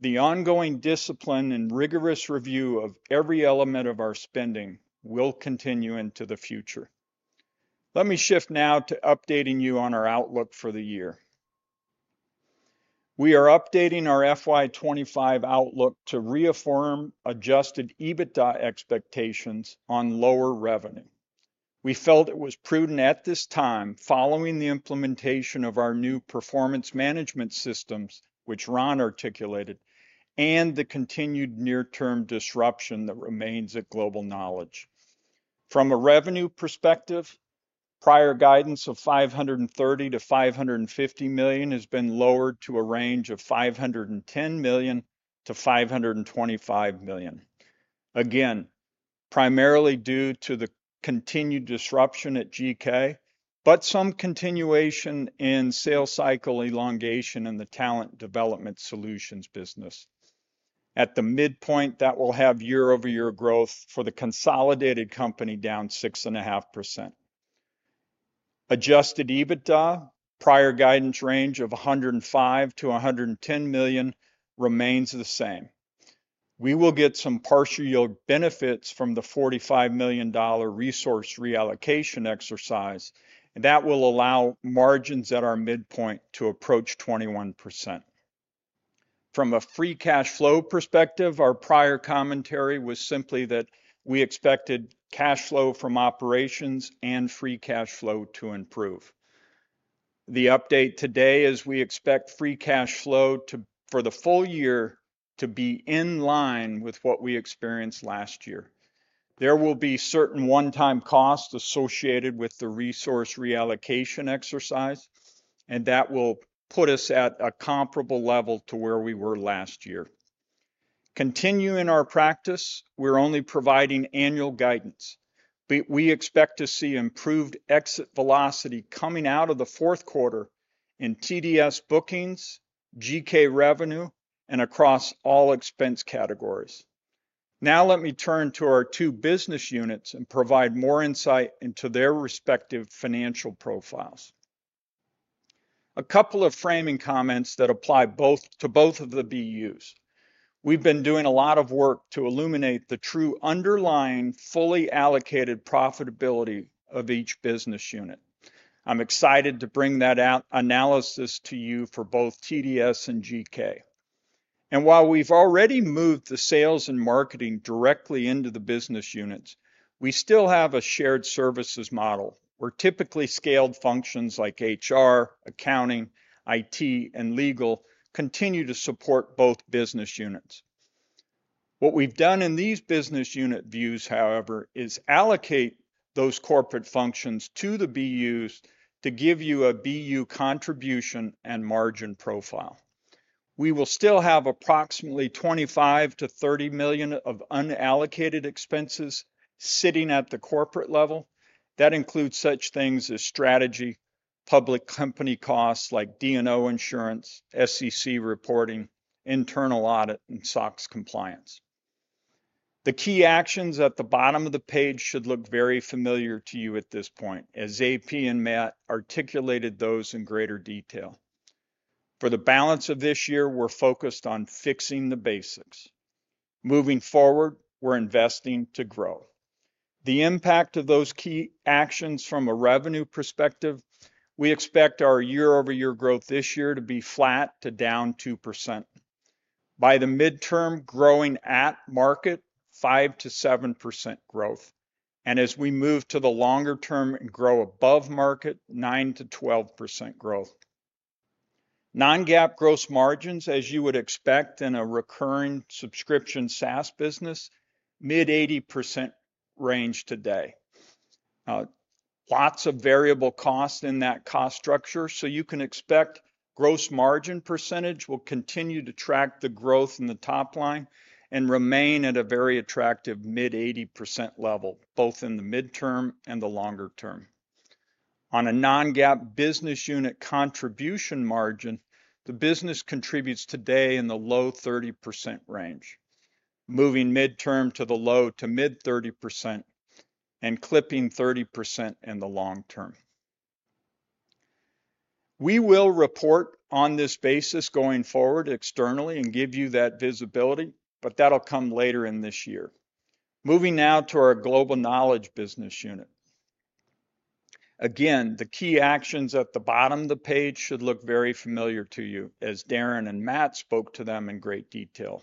the ongoing discipline and rigorous review of every element of our spending will continue into the future. Let me shift now to updating you on our outlook for the year. We are updating our FY 2025 outlook to reaffirm Adjusted EBITDA expectations on lower revenue. We felt it was prudent at this time, following the implementation of our new performance management systems, which Ron articulated, and the continued near-term disruption that remains at Global Knowledge. From a revenue perspective, prior guidance of $530 million-$550 million has been lowered to a range of $510 million-$525 million. Again, primarily due to the continued disruption at GK, but some continuation in sales cycle elongation in the Talent Development Solutions business. At the midpoint, that will have year-over-year growth for the consolidated company down 6.5%. Adjusted EBITDA, prior guidance range of $105 million-$110 million remains the same. We will get some partial yield benefits from the $45 million dollar resource reallocation exercise, and that will allow margins at our midpoint to approach 21%. From a free cash flow perspective, our prior commentary was simply that we expected cash flow from operations and free cash flow to improve. The update today is we expect free cash flow for the full year to be in line with what we experienced last year. There will be certain one-time costs associated with the resource reallocation exercise, and that will put us at a comparable level to where we were last year. Continuing our practice, we're only providing annual guidance, but we expect to see improved exit velocity coming out of the fourth quarter in TDS bookings, GK revenue, and across all expense categories. Now let me turn to our two business units and provide more insight into their respective financial profiles. A couple of framing comments that apply both to both of the BUs. We've been doing a lot of work to illuminate the true underlying, fully allocated profitability of each business unit. I'm excited to bring that analysis to you for both TDS and GK. And while we've already moved the sales and marketing directly into the business units, we still have a shared services model, where typically scaled functions like HR, accounting, IT, and legal continue to support both business units. What we've done in these business unit views, however, is allocate those corporate functions to the BUs to give you a BU contribution and margin profile. We will still have approximately $25-30 million of unallocated expenses sitting at the corporate level. That includes such things as strategy, public company costs like D&O insurance, SEC reporting, internal audit, and SOX compliance. The key actions at the bottom of the page should look very familiar to you at this point, as AP and Matt articulated those in greater detail. For the balance of this year, we're focused on fixing the basics. Moving forward, we're investing to grow. The impact of those key actions from a revenue perspective, we expect our year-over-year growth this year to be flat to down 2%. By the midterm, growing at market, 5%-7% growth. As we move to the longer term and grow above market, 9%-12% growth. Non-GAAP gross margins, as you would expect in a recurring subscription SaaS business, mid-80% range today. Lots of variable costs in that cost structure, so you can expect gross margin percentage will continue to track the growth in the top line and remain at a very attractive mid-80% level, both in the midterm and the longer term. On a non-GAAP business unit contribution margin, the business contributes today in the low 30% range, moving midterm to the low-to-mid 30% and clipping 30% in the long term. We will report on this basis going forward externally and give you that visibility, but that'll come later in this year. Moving now to our Global Knowledge business unit. Again, the key actions at the bottom of the page should look very familiar to you, as Darren and Matt spoke to them in great detail.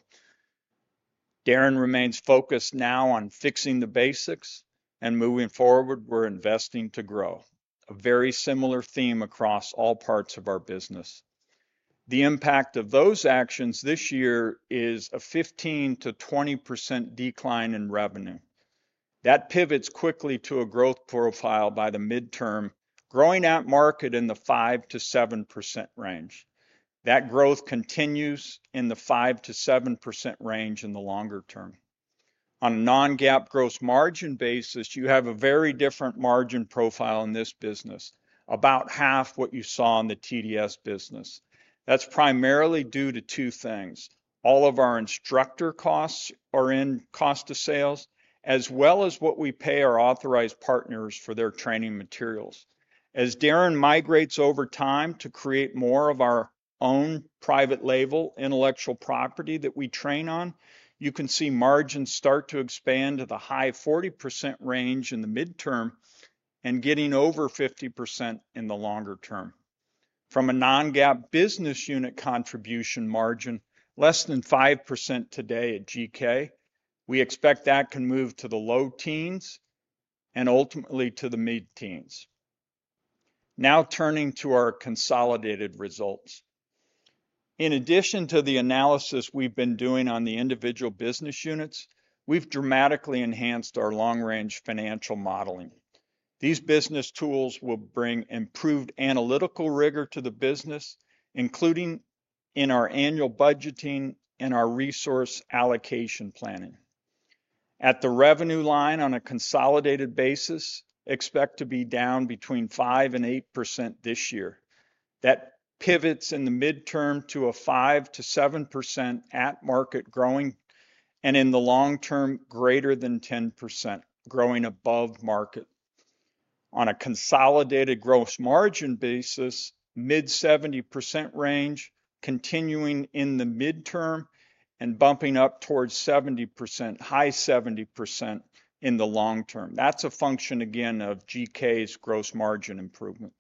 Darren remains focused now on fixing the basics, and moving forward, we're investing to grow. A very similar theme across all parts of our business. The impact of those actions this year is a 15%-20% decline in revenue. That pivots quickly to a growth profile by the midterm, growing at market in the 5%-7% range. That growth continues in the 5%-7% range in the longer term. On a non-GAAP gross margin basis, you have a very different margin profile in this business, about half what you saw in the TDS business. That's primarily due to two things: all of our instructor costs are in cost of sales, as well as what we pay our authorized partners for their training materials. As Darren migrates over time to create more of our own private label intellectual property that we train on, you can see margins start to expand to the high 40% range in the midterm and getting over 50% in the longer term. From a non-GAAP business unit contribution margin, less than 5% today at GK, we expect that can move to the low teens and ultimately to the mid-teens. Now turning to our consolidated results. In addition to the analysis we've been doing on the individual business units, we've dramatically enhanced our long-range financial modeling. These business tools will bring improved analytical rigor to the business, including in our annual budgeting and our resource allocation planning. At the revenue line on a consolidated basis, expect to be down between 5% and 8% this year. That pivots in the midterm to a 5%-7% at market growing, and in the long term, greater than 10%, growing above market. On a consolidated gross margin basis, mid-70% range, continuing in the midterm and bumping up towards 70%, high 70% in the long term. That's a function, again, of GK's gross margin improvement.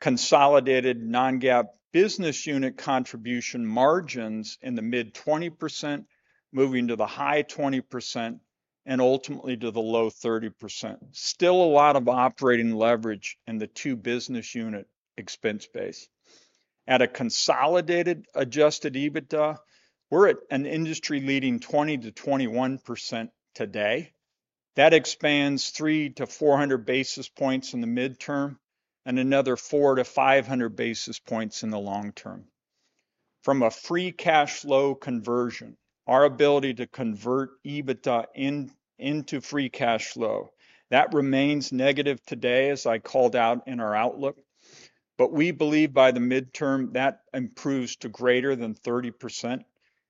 Consolidated non-GAAP business unit contribution margins in the mid-20%, moving to the high 20% and ultimately to the low 30%. Still a lot of operating leverage in the two business unit expense base. At a consolidated Adjusted EBITDA, we're at an industry-leading 20%-21% today. That expands 300-400 basis points in the midterm and another 400-500 basis points in the long term. From a free cash flow conversion, our ability to convert EBITDA in, into free cash flow, that remains negative today, as I called out in our outlook, but we believe by the midterm, that improves to greater than 30%,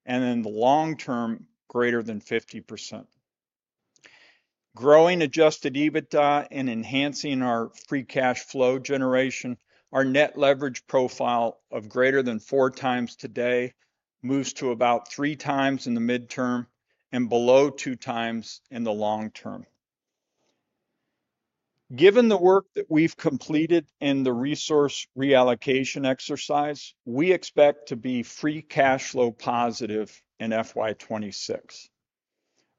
and in the long term, greater than 50%. Growing adjusted EBITDA and enhancing our free cash flow generation, our net leverage profile of greater than 4x today, moves to about 3x in the midterm and below 2x in the long term. Given the work that we've completed in the resource reallocation exercise, we expect to be free cash flow positive in FY 2026.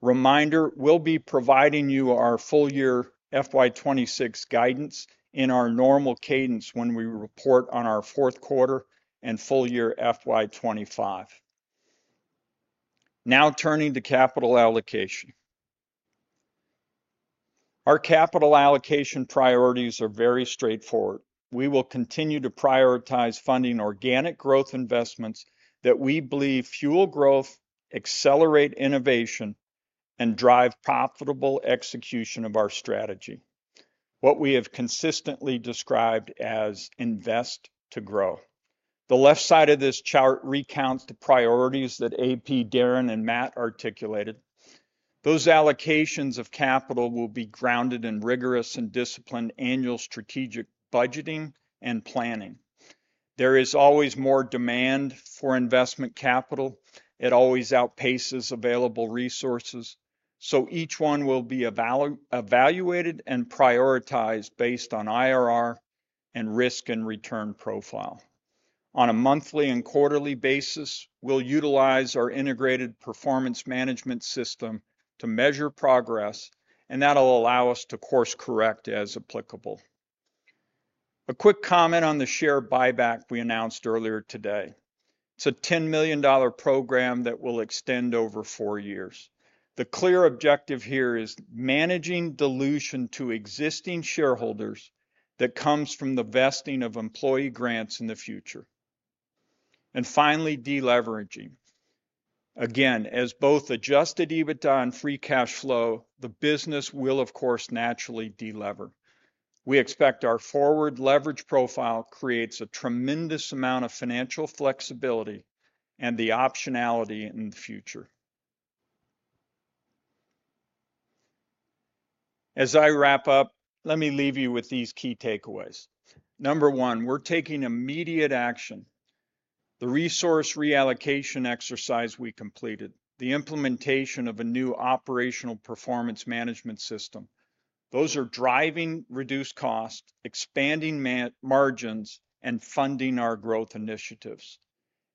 Reminder, we'll be providing you our full year FY 2026 guidance in our normal cadence when we report on our fourth quarter and full year FY 2025. Now turning to capital allocation. Our capital allocation priorities are very straightforward. We will continue to prioritize funding organic growth investments that we believe fuel growth, accelerate innovation, and drive profitable execution of our strategy, what we have consistently described as invest to grow. The left side of this chart recounts the priorities that AP, Darren, and Matt articulated. Those allocations of capital will be grounded in rigorous and disciplined annual strategic budgeting and planning. There is always more demand for investment capital. It always outpaces available resources, so each one will be evaluated and prioritized based on IRR and risk and return profile. On a monthly and quarterly basis, we'll utilize our integrated performance management system to measure progress, and that'll allow us to course correct as applicable. A quick comment on the share buyback we announced earlier today. It's a $10 million program that will extend over four years. The clear objective here is managing dilution to existing shareholders that comes from the vesting of employee grants in the future. Finally, deleveraging. Again, as both Adjusted EBITDA and free cash flow, the business will, of course, naturally delever. We expect our forward leverage profile creates a tremendous amount of financial flexibility and the optionality in the future. As I wrap up, let me leave you with these key takeaways. Number one, we're taking immediate action. The resource reallocation exercise we completed, the implementation of a new operational performance management system, those are driving reduced costs, expanding margins, and funding our growth initiatives.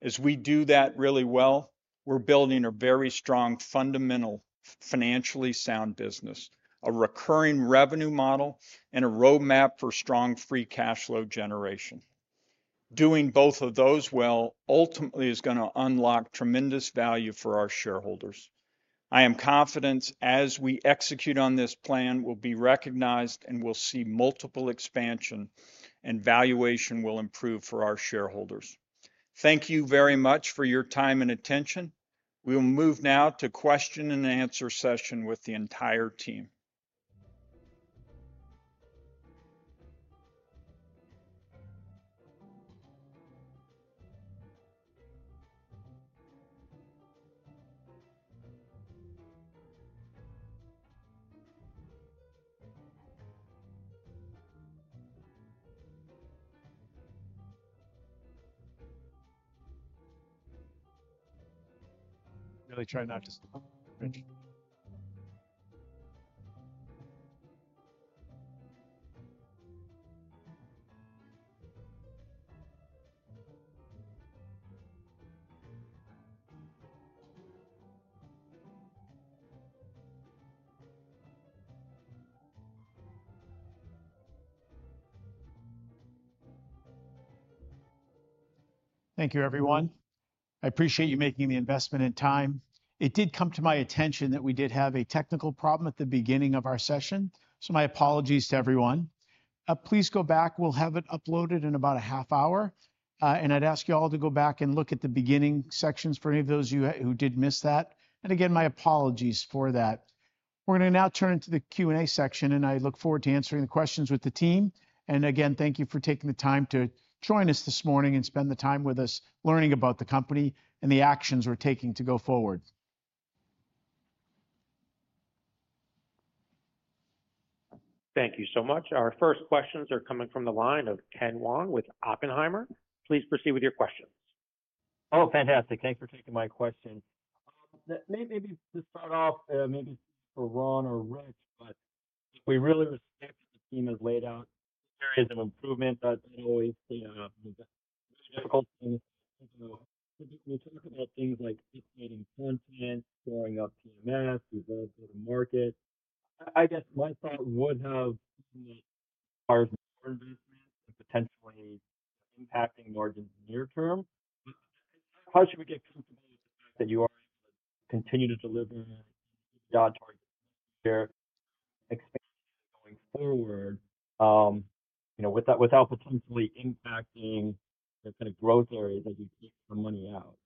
As we do that really well, we're building a very strong, fundamental, financially sound business, a recurring revenue model, and a roadmap for strong free cash flow generation. Doing both of those well ultimately is gonna unlock tremendous value for our shareholders. I am confident as we execute on this plan, we'll be recognized, and we'll see multiple expansion and valuation will improve for our shareholders. Thank you very much for your time and attention. We will move now to question and answer session with the entire team. ... really try not to stop. Thank you, everyone. I appreciate you making the investment and time. It did come to my attention that we did have a technical problem at the beginning of our session, so my apologies to everyone. Please go back, we'll have it uploaded in about a half hour. I'd ask you all to go back and look at the beginning sections for any of those of you who, who did miss that. Again, my apologies for that. We're gonna now turn to the Q&A section, and I look forward to answering the questions with the team. Again, thank you for taking the time to join us this morning and spend the time with us learning about the company and the actions we're taking to go forward. Thank you so much. Our first questions are coming from the line of Ken Wong with Oppenheimer. Please proceed with your questions. Oh, fantastic! Thanks for taking my question. Maybe to start off, maybe for Ron or Rich, but we really respect the team has laid out areas of improvement, but always very difficult. So we'll talk about things like creating content, storing up PMS, results to the market. I guess my thought would have requires more investment and potentially impacting margins near term. But how should we get comfortable with the fact that you are able to continue to deliver your targets share expansion going forward, you know, without potentially impacting the kind of growth areas as you take the money out?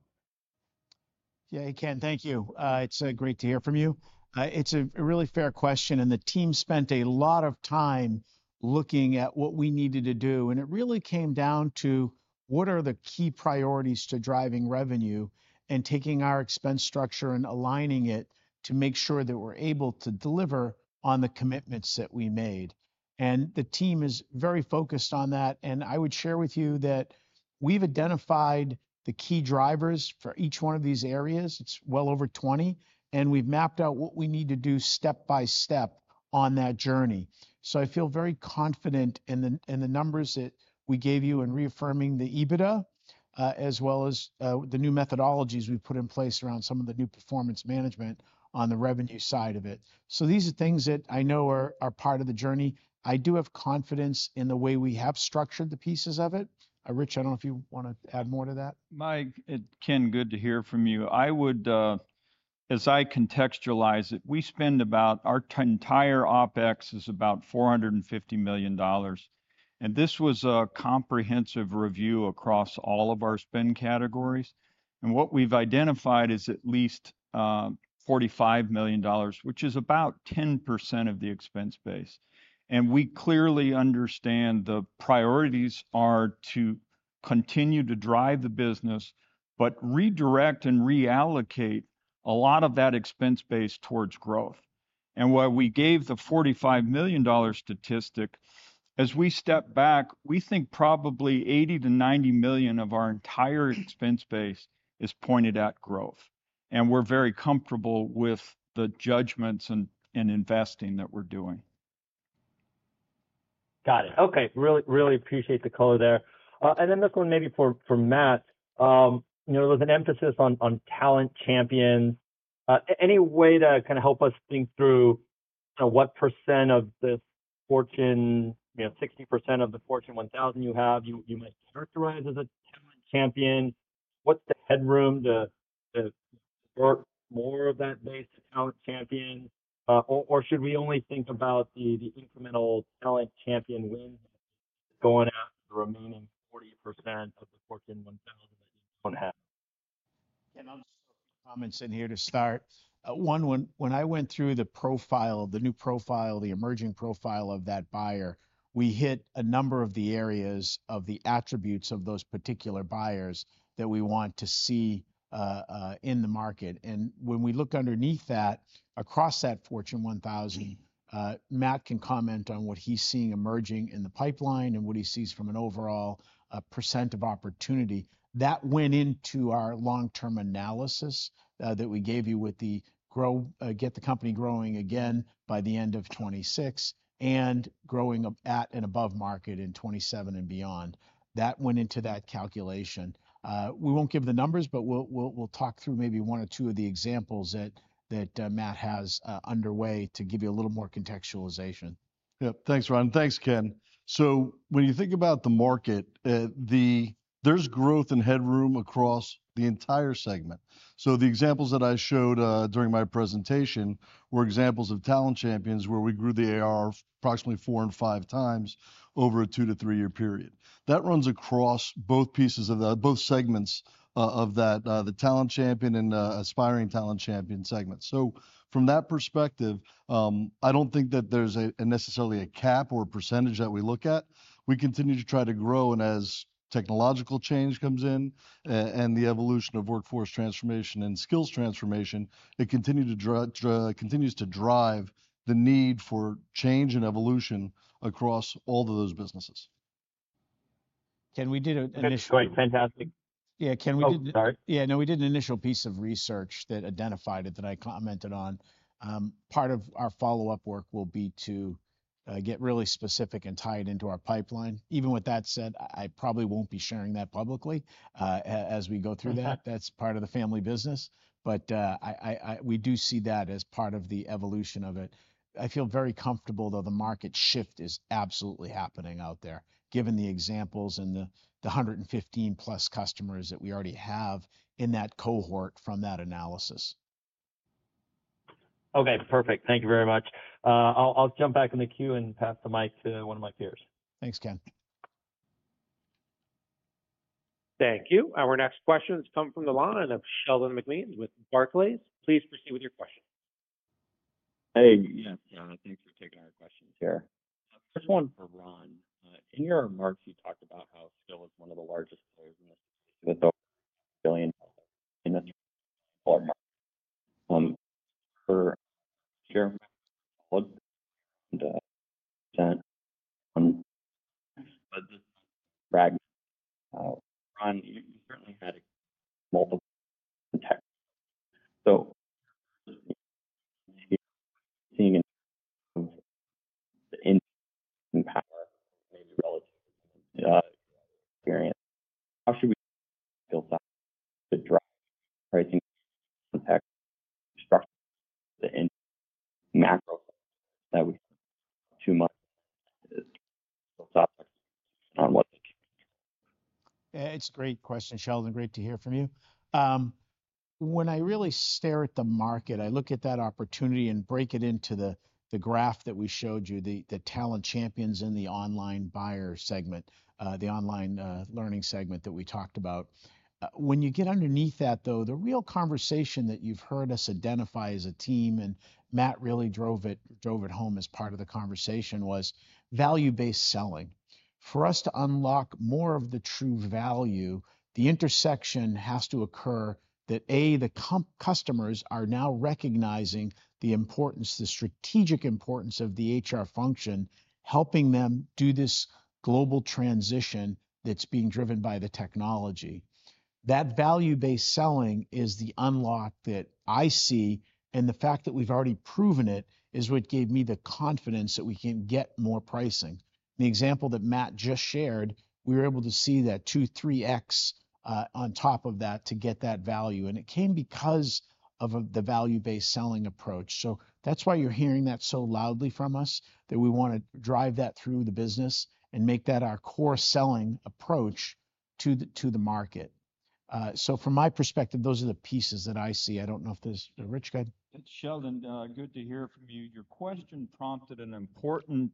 Yeah, Ken, thank you. It's great to hear from you. It's a really fair question, and the team spent a lot of time looking at what we needed to do, and it really came down to what are the key priorities to driving revenue and taking our expense structure and aligning it to make sure that we're able to deliver on the commitments that we made. And the team is very focused on that, and I would share with you that we've identified the key drivers for each one of these areas. It's well over 20, and we've mapped out what we need to do step by step on that journey. I feel very confident in the numbers that we gave you in reaffirming the EBITDA, as well as the new methodologies we've put in place around some of the new performance management on the revenue side of it. These are things that I know are part of the journey. I do have confidence in the way we have structured the pieces of it. Rich, I don't know if you want to add more to that. Mike, Ken, good to hear from you. I would, as I contextualize it, we spend about our entire OpEx is about $450 million, and this was a comprehensive review across all of our spend categories. What we've identified is at least $45 million, which is about 10% of the expense base. We clearly understand the priorities are to continue to drive the business, but redirect and reallocate a lot of that expense base towards growth. While we gave the $45 million statistic, as we step back, we think probably $80 million-$90 million of our entire expense base is pointed at growth, and we're very comfortable with the judgments and investing that we're doing. Got it. Okay. Really, really appreciate the color there. And then this one maybe for Matt. You know, there was an emphasis on Talent Champions. Any way to kind of help us think through what percent of this Fortune, you know, 60% of the Fortune 1000 you have, you might characterize as a talent champion? What's the headroom to work more of that base talent champion, or should we only think about the incremental talent champion wins going after the remaining 40% of the Fortune 1000 that you don't have? I'll just comment in here to start. One, when I went through the profile, the new profile, the emerging profile of that buyer, we hit a number of the areas of the attributes of those particular buyers that we want to see in the market. And when we look underneath that, across that Fortune 1000, Matt can comment on what he's seeing emerging in the pipeline and what he sees from an overall % of opportunity. That went into our long-term analysis that we gave you with getting the company growing again by the end of 2026, and growing at and above market in 2027 and beyond. That went into that calculation. We won't give the numbers, but we'll talk through maybe one or two of the examples that Matt has underway to give you a little more contextualization. Yep. Thanks, Ron. Thanks, Ken. So when you think about the market, there's growth and headroom across the entire segment. So the examples that I showed during my presentation were examples of Talent Champions, where we grew the ARR approximately 4 and 5 times over a 2- to 3-year period. That runs across both pieces of both segments of that, the talent champion and the aspiring talent champion segment. So from that perspective, I don't think that there's necessarily a cap or a percentage that we look at. We continue to try to grow, and as technological change comes in, and the evolution of workforce transformation and skills transformation, it continues to drive the need for change and evolution across all of those businesses.... Can we do an initial- Great. Fantastic. Yeah, can we do- Oh, sorry. Yeah, no, we did an initial piece of research that identified it, that I commented on. Part of our follow-up work will be to get really specific and tie it into our pipeline. Even with that said, I probably won't be sharing that publicly, as we go through that. Okay. That's part of the family business. But, we do see that as part of the evolution of it. I feel very comfortable, though, the market shift is absolutely happening out there, given the examples and the 115+ customers that we already have in that cohort from that analysis. Okay, perfect. Thank you very much. I'll jump back in the queue and pass the mic to one of my peers. Thanks, Ken. Thank you. Our next question has come from the line of Sheldon McMeans with Barclays. Please proceed with your question. Hey, yeah, thanks for taking our questions here. First one for Ron. In your remarks, you talked about how Skill is one of the largest players It's a great question, Sheldon. Great to hear from you. When I really stare at the market, I look at that opportunity and break it into the graph that we showed you, the Talent Champions in the online buyer segment, the online learning segment that we talked about. When you get underneath that, though, the real conversation that you've heard us identify as a team, and Matt really drove it home as part of the conversation, was value-based selling. For us to unlock more of the true value, the intersection has to occur that, A, the customers are now recognizing the importance, the strategic importance of the HR function, helping them do this global transition that's being driven by the technology. That value-based selling is the unlock that I see, and the fact that we've already proven it, is what gave me the confidence that we can get more pricing. The example that Matt just shared, we were able to see that 2-3x on top of that to get that value, and it came because of, of the value-based selling approach. So that's why you're hearing that so loudly from us, that we wanna drive that through the business and make that our core selling approach to the, to the market. So from my perspective, those are the pieces that I see. I don't know if there's... Rich, go ahead. Sheldon, good to hear from you. Your question prompted an important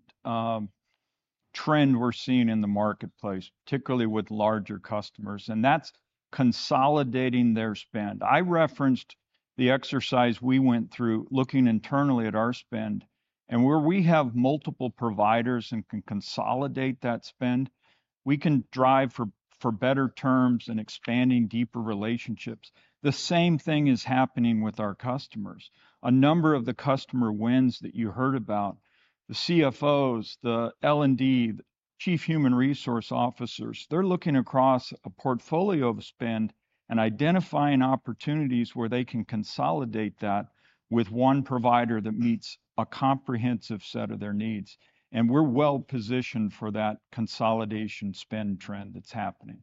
trend we're seeing in the marketplace, particularly with larger customers, and that's consolidating their spend. I referenced the exercise we went through looking internally at our spend, and where we have multiple providers and can consolidate that spend, we can drive for better terms and expanding deeper relationships. The same thing is happening with our customers. A number of the customer wins that you heard about, the CFOs, the L&D, chief human resource officers, they're looking across a portfolio of spend and identifying opportunities where they can consolidate that with one provider that meets a comprehensive set of their needs. We're well positioned for that consolidation spend trend that's happening.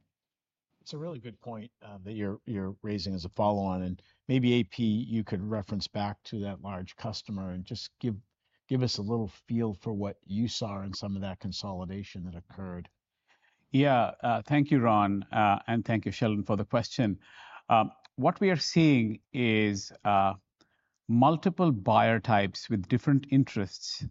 It's a really good point that you're raising as a follow-on, and maybe, AP, you could reference back to that large customer and just give us a little feel for what you saw in some of that consolidation that occurred. Yeah. Thank you, Ron, and thank you, Sheldon, for the question. What we are seeing is multiple buyer types with different interests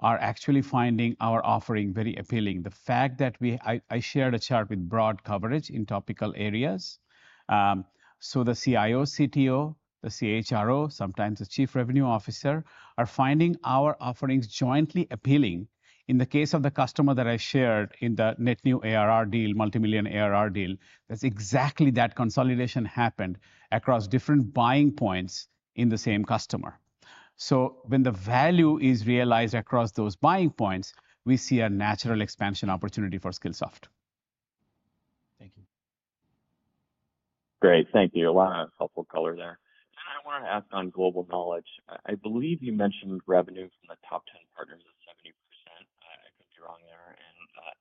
are actually finding our offering very appealing. The fact that we shared a chart with broad coverage in topical areas. So the CIO, CTO, the CHRO, sometimes the chief revenue officer, are finding our offerings jointly appealing. In the case of the customer that I shared in the net new ARR deal, multimillion ARR deal, that's exactly that consolidation happened across different buying points in the same customer. So when the value is realized across those buying points, we see a natural expansion opportunity for Skillsoft. Thank you. Great, thank you. A lot of helpful color there. I kinda wanna ask on Global Knowledge. I believe you mentioned revenue from the top 10 partners is 70%. I could be wrong there, and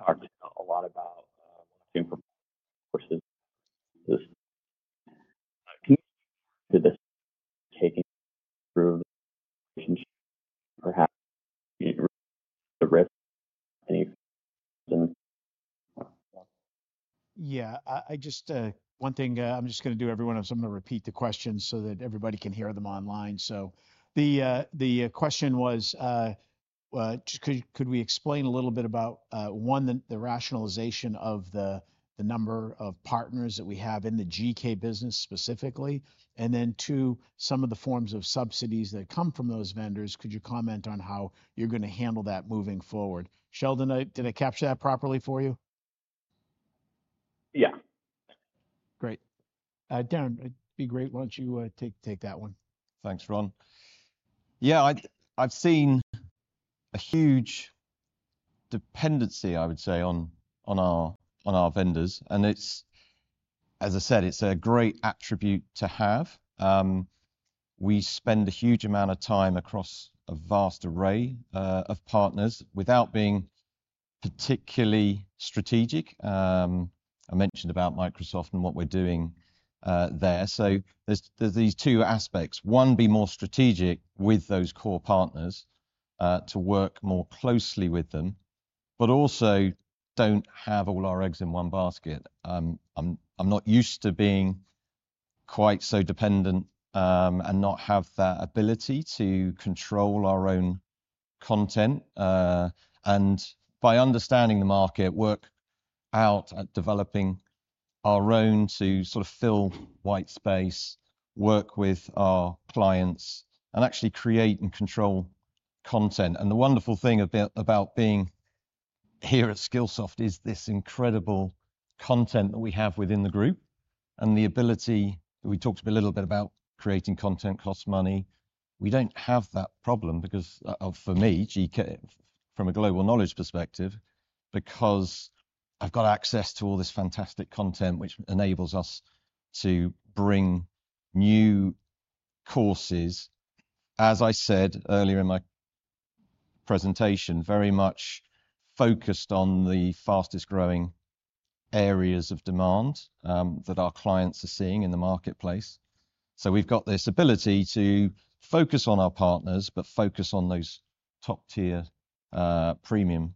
hardly know a lot about this. Yeah, one thing I'm just gonna do, everyone, is I'm gonna repeat the questions so that everybody can hear them online. So the question was, could we explain a little bit about one, the rationalization of the number of partners that we have in the GK business specifically, and then, two, some of the forms of subsidies that come from those vendors; could you comment on how you're gonna handle that moving forward? Sheldon, did I capture that properly for you? Yeah.... Great. Darren, it'd be great, why don't you take that one? Thanks, Ron. Yeah, I, I've seen a huge dependency, I would say, on, on our, on our vendors, and it's, as I said, it's a great attribute to have. We spend a huge amount of time across a vast array, of partners without being particularly strategic. I mentioned about Microsoft and what we're doing, there. So there's, there's these two aspects: One, be more strategic with those core partners, to work more closely with them, but also don't have all our eggs in one basket. I'm, I'm not used to being quite so dependent, and not have that ability to control our own content, and by understanding the market, work out at developing our own to sort of fill white space, work with our clients, and actually create and control content. The wonderful thing about being here at Skillsoft is this incredible content that we have within the group and the ability. We talked a little bit about creating content costs money. We don't have that problem because, for me, GK, from a Global Knowledge perspective, because I've got access to all this fantastic content, which enables us to bring new courses, as I said earlier in my presentation, very much focused on the fastest growing areas of demand, that our clients are seeing in the marketplace. So we've got this ability to focus on our partners, but focus on those top-tier, premium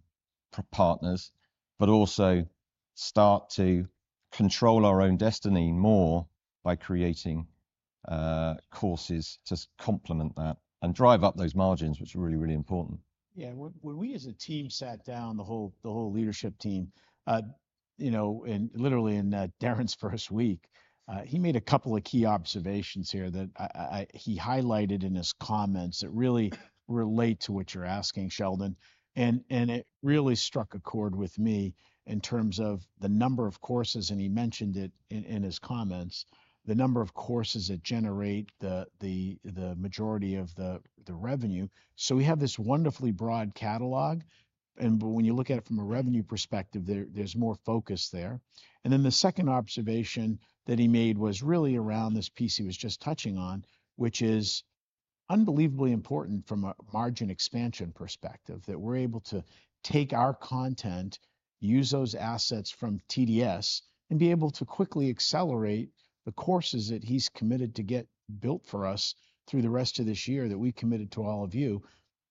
partners, but also start to control our own destiny more by creating courses to complement that and drive up those margins, which are really, really important. Yeah, when we as a team sat down, the whole leadership team, you know, and literally in Darren's first week, he made a couple of key observations here that he highlighted in his comments that really relate to what you're asking, Sheldon, and it really struck a chord with me in terms of the number of courses, and he mentioned it in his comments, the number of courses that generate the majority of the revenue. So we have this wonderfully broad catalog, but when you look at it from a revenue perspective, there's more focus there. And then the second observation that he made was really around this piece he was just touching on, which is unbelievably important from a margin expansion perspective, that we're able to take our content, use those assets from TDS, and be able to quickly accelerate the courses that he's committed to get built for us through the rest of this year that we committed to all of you.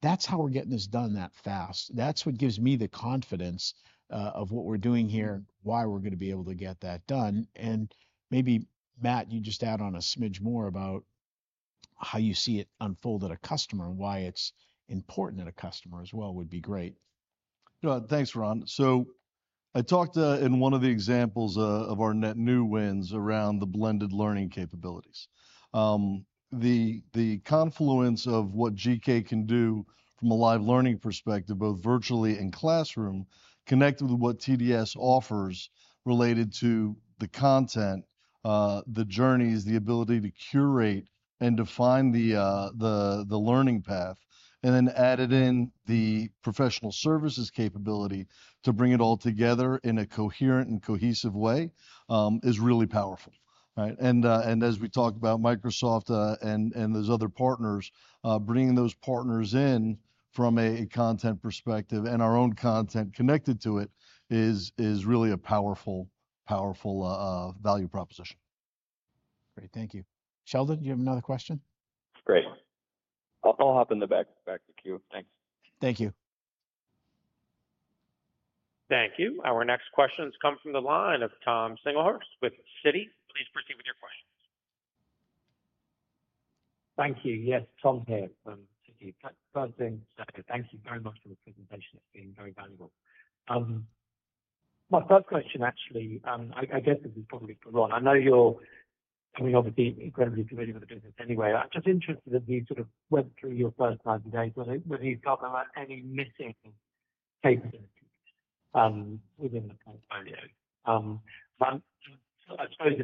That's how we're getting this done that fast. That's what gives me the confidence of what we're doing here, why we're gonna be able to get that done. And maybe, Matt, you just add on a smidge more about how you see it unfold at a customer, and why it's important at a customer as well, would be great. Thanks, Ron. So I talked in one of the examples of our net new wins around the blended learning capabilities. The confluence of what GK can do from a live learning perspective, both virtually and classroom, connected with what TDS offers related to the content, the journeys, the ability to curate and define the learning path, and then added in the professional services capability to bring it all together in a coherent and cohesive way, is really powerful, right? And as we talked about Microsoft and those other partners, bringing those partners in from a content perspective and our own content connected to it, is really a powerful, powerful value proposition. Great. Thank you. Sheldon, do you have another question? Great. I'll hop in the back of the queue. Thanks. Thank you. Thank you. Our next question has come from the line of Thomas Singlehurst with Citi. Please proceed with your question. Thank you. Yes, Tom here from Citi. First thing, so thank you very much for the presentation. It's been very valuable. My first question, actually, I guess this is probably for Ron. I know you're coming, obviously, incredibly familiar with the business anyway. I'm just interested as we sort of went through your first 90 days, whether you've got any missing pieces within the portfolio. But I suppose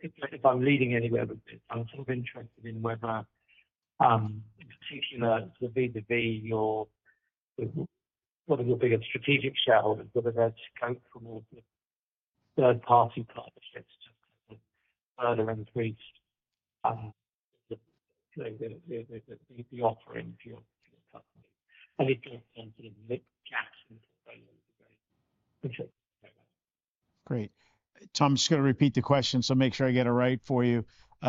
if I'm leading anywhere with this, I'm sort of interested in whether, in particular, the B2B, your sort of your bigger strategic shareholders, whether there's scope from all the third-party partnerships to further increase the offering to your company. And if there are some sort of gaps today. Thank you. Great. Tom, I'm just gonna repeat the question, so make sure I get it right for you.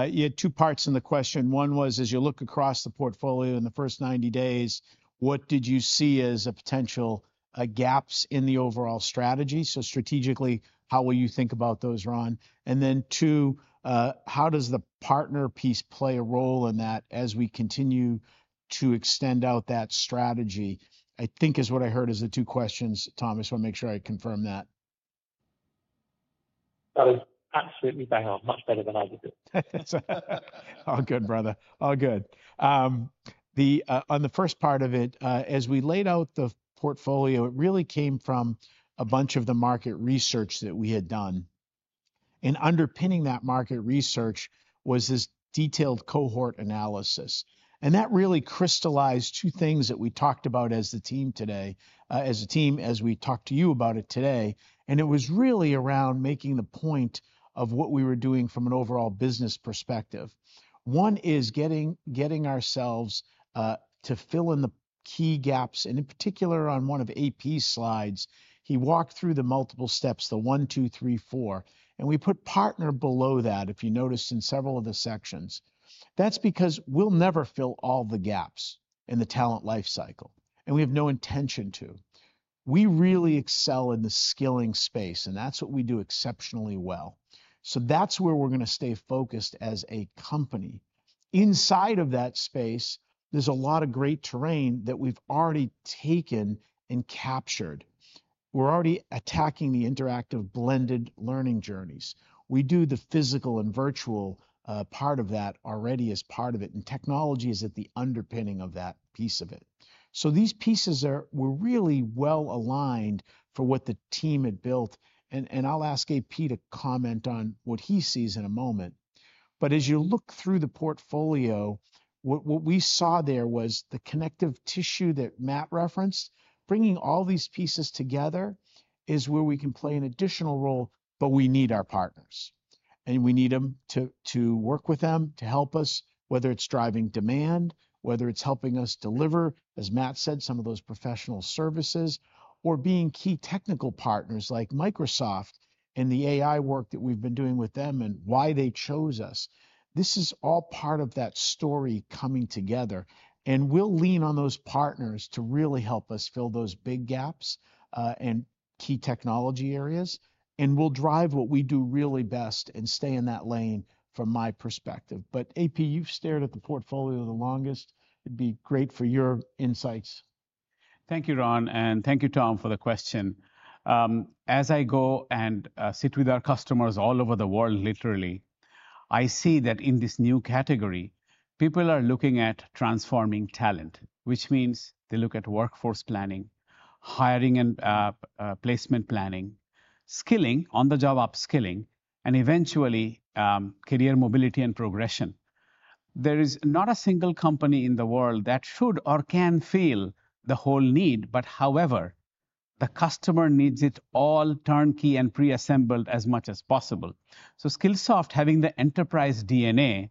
You had two parts in the question. One was, as you look across the portfolio in the first 90 days, what did you see as a potential gaps in the overall strategy? So strategically, how will you think about those, Ron? And then, two, how does the partner piece play a role in that as we continue to extend out that strategy? I think is what I heard is the two questions, Tom. I just wanna make sure I confirm that. That is absolutely bang on. Much better than I did it. All good, brother. All good. The, on the first part of it, as we laid out the portfolio, it really came from a bunch of the market research that we had done. And underpinning that market research was this detailed cohort analysis. And that really crystallized two things that we talked about as the team today, as a team, as we talked to you about it today, and it was really around making the point of what we were doing from an overall business perspective. One is getting ourselves to fill in the key gaps, and in particular, on one of AP's slides, he walked through the multiple steps, the one, two, three, four, and we put partner below that, if you noticed, in several of the sections. That's because we'll never fill all the gaps in the talent lifecycle, and we have no intention to. We really excel in the skilling space, and that's what we do exceptionally well. So that's where we're gonna stay focused as a company. Inside of that space, there's a lot of great terrain that we've already taken and captured. We're already attacking the interactive blended learning journeys. We do the physical and virtual part of that already as part of it, and technology is at the underpinning of that piece of it. So these pieces were really well aligned for what the team had built, and I'll ask AP to comment on what he sees in a moment. But as you look through the portfolio, what we saw there was the connective tissue that Matt referenced. Bringing all these pieces together is where we can play an additional role, but we need our partners, and we need them to work with them, to help us, whether it's driving demand, whether it's helping us deliver, as Matt said, some of those professional services, or being key technical partners like Microsoft and the AI work that we've been doing with them and why they chose us. This is all part of that story coming together, and we'll lean on those partners to really help us fill those big gaps and key technology areas, and we'll drive what we do really best and stay in that lane, from my perspective. But AP, you've stared at the portfolio the longest. It'd be great for your insights. Thank you, Ron, and thank you, Tom, for the question. As I go and sit with our customers all over the world, literally, I see that in this new category, people are looking at transforming talent, which means they look at workforce planning, hiring and placement planning, skilling, on-the-job upskilling, and eventually, career mobility and progression. There is not a single company in the world that should or can fill the whole need, but however, the customer needs it all turnkey and preassembled as much as possible. So Skillsoft, having the enterprise DNA,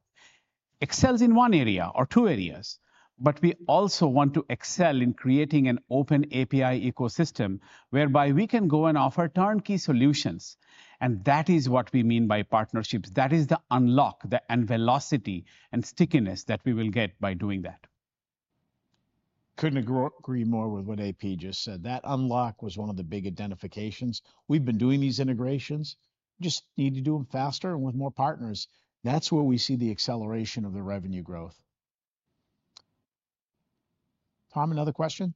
excels in one area or two areas, but we also want to excel in creating an open API ecosystem whereby we can go and offer turnkey solutions. And that is what we mean by partnerships. That is the unlock, the and velocity and stickiness that we will get by doing that. Couldn't agree more with what AP just said. That unlock was one of the big identifications. We've been doing these integrations, just need to do them faster and with more partners. That's where we see the acceleration of the revenue growth. Tom, another question?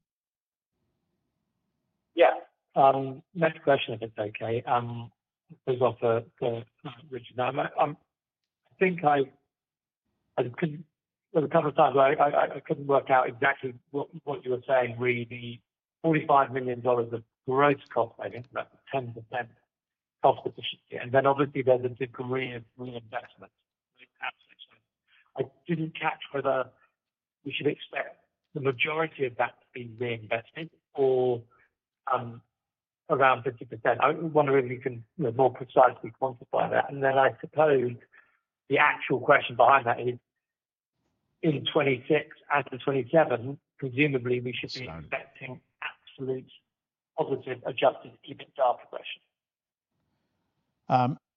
Yeah. Next question, if it's okay, is off for Rich and I. I think I couldn't work out exactly what you were saying, really. $45 million of gross cost saving, about 10% cost efficiency, and then obviously, there's the degree of reinvestment. Absolutely. I didn't catch whether we should expect the majority of that to be reinvested or around 50%. I wonder if you can, you know, more precisely quantify that. And then I suppose the actual question behind that is, in 2026 as to 2027, presumably we should be expecting absolute positive, adjusted EBITDA progression.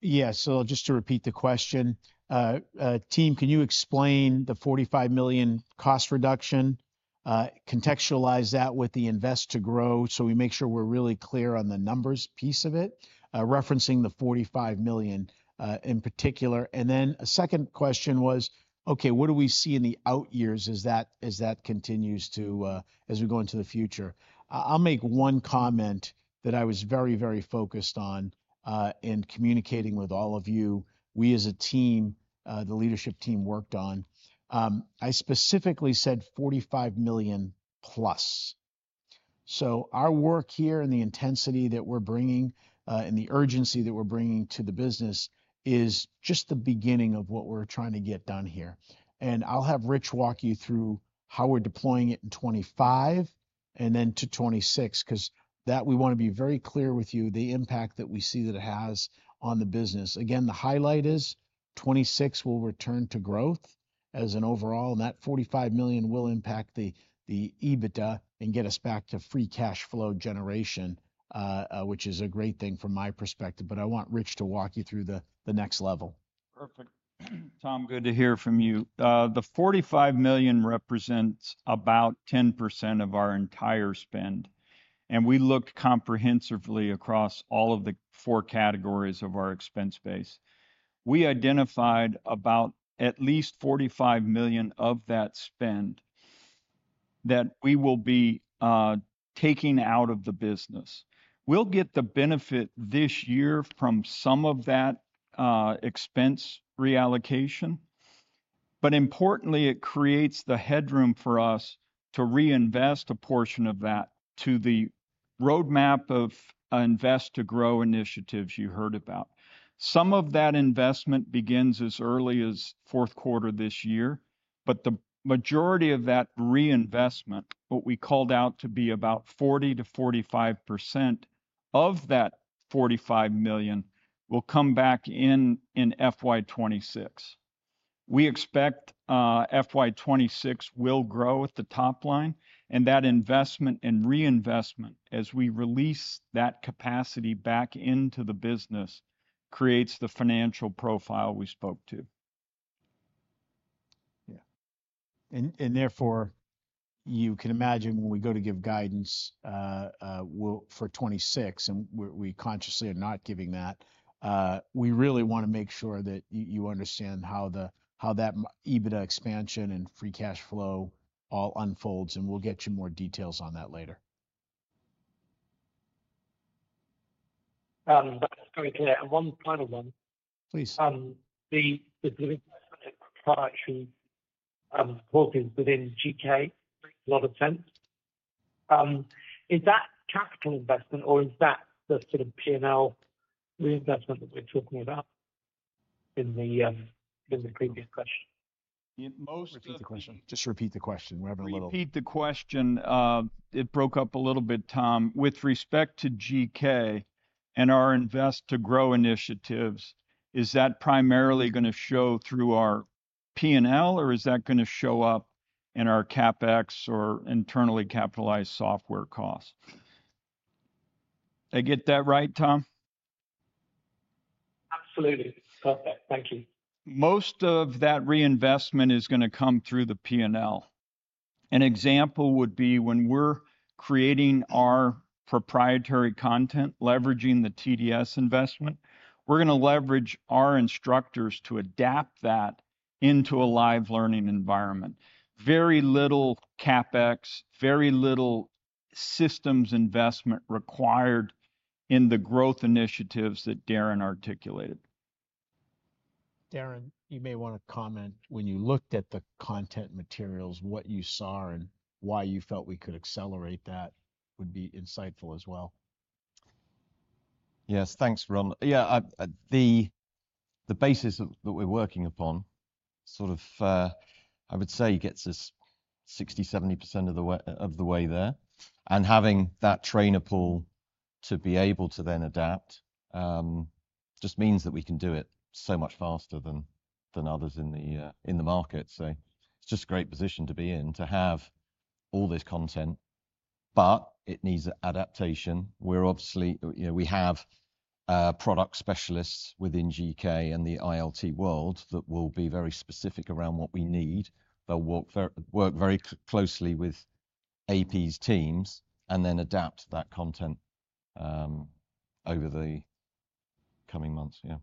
Yeah. So just to repeat the question, "Team, can you explain the $45 million cost reduction, contextualize that with the invest to grow so we make sure we're really clear on the numbers piece of it," referencing the $45 million, in particular. And then a second question was, "Okay, what do we see in the out years as that continues to, as we go into the future?" I'll make one comment that I was very, very focused on, in communicating with all of you. We, as a team, the leadership team, worked on. I specifically said $45 million plus. So our work here and the intensity that we're bringing, and the urgency that we're bringing to the business is just the beginning of what we're trying to get done here. I'll have Rich walk you through how we're deploying it in 2025 and then to 2026, 'cause we want to be very clear with you, the impact that we see that it has on the business. Again, the highlight is 2026 will return to growth as an overall, and that $45 million will impact the EBITDA and get us back to free cash flow generation, which is a great thing from my perspective, but I want Rich to walk you through the next level. Perfect. Tom, good to hear from you. The $45 million represents about 10% of our entire spend, and we looked comprehensively across all of the 4 categories of our expense base. We identified about at least $45 million of that spend that we will be taking out of the business. We'll get the benefit this year from some of that expense reallocation, but importantly, it creates the headroom for us to reinvest a portion of that to the roadmap of Invest to Grow initiatives you heard about. Some of that investment begins as early as fourth quarter this year, but the majority of that reinvestment, what we called out to be about 40%-45% of that $45 million, will come back in, in FY 2026. We expect FY 2026 will grow at the top line, and that investment and reinvestment, as we release that capacity back into the business, creates the financial profile we spoke to. Yeah. And therefore, you can imagine when we go to give guidance, we'll for 2026, and we consciously are not giving that, we really wanna make sure that you understand how that EBITDA expansion and free cash flow all unfolds, and we'll get you more details on that later. That's very clear. And one final one. Please. The proprietary focus within GK makes a lot of sense. Is that capital investment, or is that the sort of P&L reinvestment that we're talking about in the previous question? Most of the- Repeat the question. Just repeat the question. We have a little- Repeat the question. It broke up a little bit, Tom. With respect to GK and our Invest to Grow initiatives, is that primarily gonna show through our P&L, or is that gonna show up in our CapEx or internally capitalized software costs? Did I get that right, Tom? Absolutely. Perfect. Thank you. Most of that reinvestment is gonna come through the P&L. An example would be when we're creating our proprietary content, leveraging the TDS investment, we're gonna leverage our instructors to adapt that into a live learning environment. Very little CapEx, very little systems investment required in the growth initiatives that Darren articulated. Darren, you may wanna comment, when you looked at the content materials, what you saw and why you felt we could accelerate that, would be insightful as well. Yes. Thanks, Ron. Yeah, the basis of that we're working upon, sort of, I would say, gets us 60%-70% of the way there. And having that trainer pool to be able to then adapt just means that we can do it so much faster than others in the market. So it's just a great position to be in, to have all this content, but it needs adaptation. We're obviously... You know, we have product specialists within GK and the ILT world that will be very specific around what we need. They'll work very closely with AP's teams, and then adapt that content over the coming months. Yeah.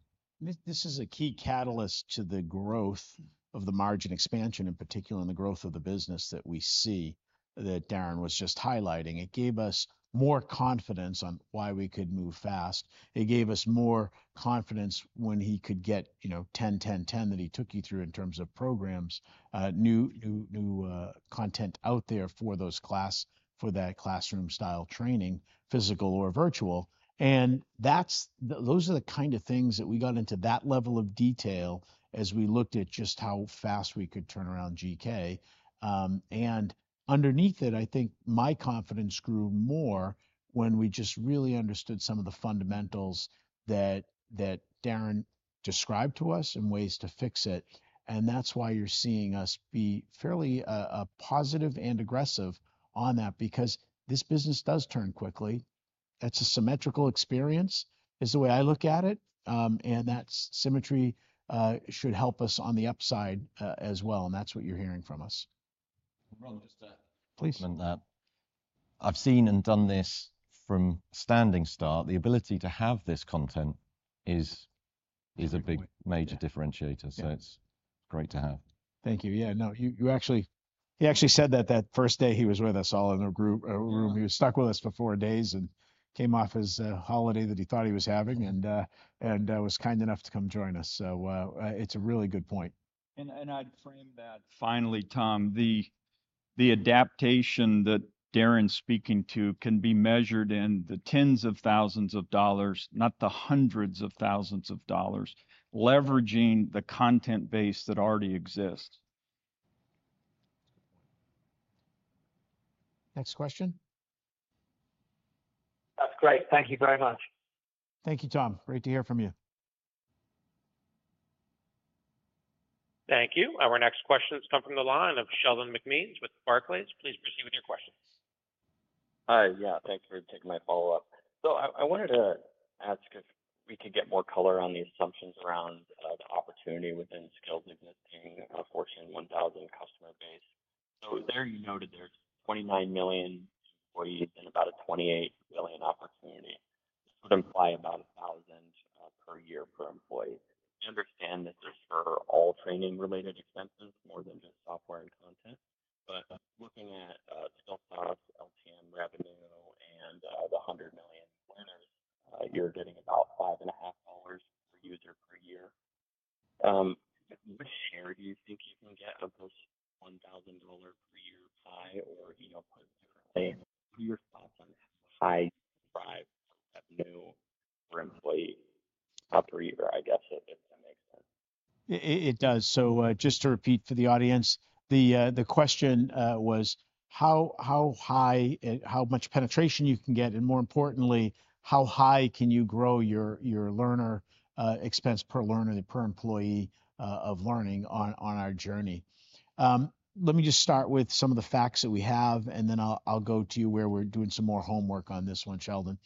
This is a key catalyst to the growth of the margin expansion, in particular, in the growth of the business that we see, that Darren was just highlighting. It gave us more confidence on why we could move fast. It gave us more confidence when he could get, you know, 10, 10, 10, that he took you through in terms of programs, new content out there for that classroom-style training, physical or virtual. And that's... Those are the kind of things that we got into that level of detail as we looked at just how fast we could turn around GK. And underneath it, I think my confidence grew more when we just really understood some of the fundamentals that Darren described to us and ways to fix it, and that's why you're seeing us be fairly positive and aggressive on that, because this business does turn quickly. It's a symmetrical experience, is the way I look at it, and that symmetry should help us on the upside as well, and that's what you're hearing from us. Ron, just to- Please... complement that. I've seen and done this from standing start. The ability to have this content is a big, major differentiator- Yeah... so it's great to have. Thank you. Yeah, no, you actually—he actually said that first day he was with us all in a group, a room. Yeah. He was stuck with us for four days and came off his holiday that he thought he was having, and was kind enough to come join us. So, it's a really good point. I'd frame that, finally, Tom, the adaptation that Darren's speaking to can be measured in the $10,000s, not the $100,000s, leveraging the content base that already exists. Next question? That's great. Thank you very much. Thank you, Tom. Great to hear from you. Thank you. Our next question has come from the line of Sheldon McMeans with Barclays. Please proceed with your questions. Yeah. Thank you for taking my follow-up. So I wanted to ask if we could get more color on the assumptions around the opportunity within Skillsoft's existing Fortune 1000 customer base. So there you noted there's 29 million employees and about a 28 million opportunity, sort of imply about a 1,000-... per year per employee. I understand this is for all training-related expenses, more than just software and content, but looking at Skillsoft LTM revenue and the 100 million winners, you're getting about $5.5 per user per year. What share do you think you can get of those $1,000 per year pie or, you know, put differently, what are your thoughts on high drive revenue per employee per year, I guess, if it, that makes sense? It does. So, just to repeat for the audience, the, the question, was: How high and how much penetration you can get, and more importantly, how high can you grow your learner expense per learner, per employee, of learning on our journey? Let me just start with some of the facts that we have, and then I'll go to you where we're doing some more homework on this one, Sheldon.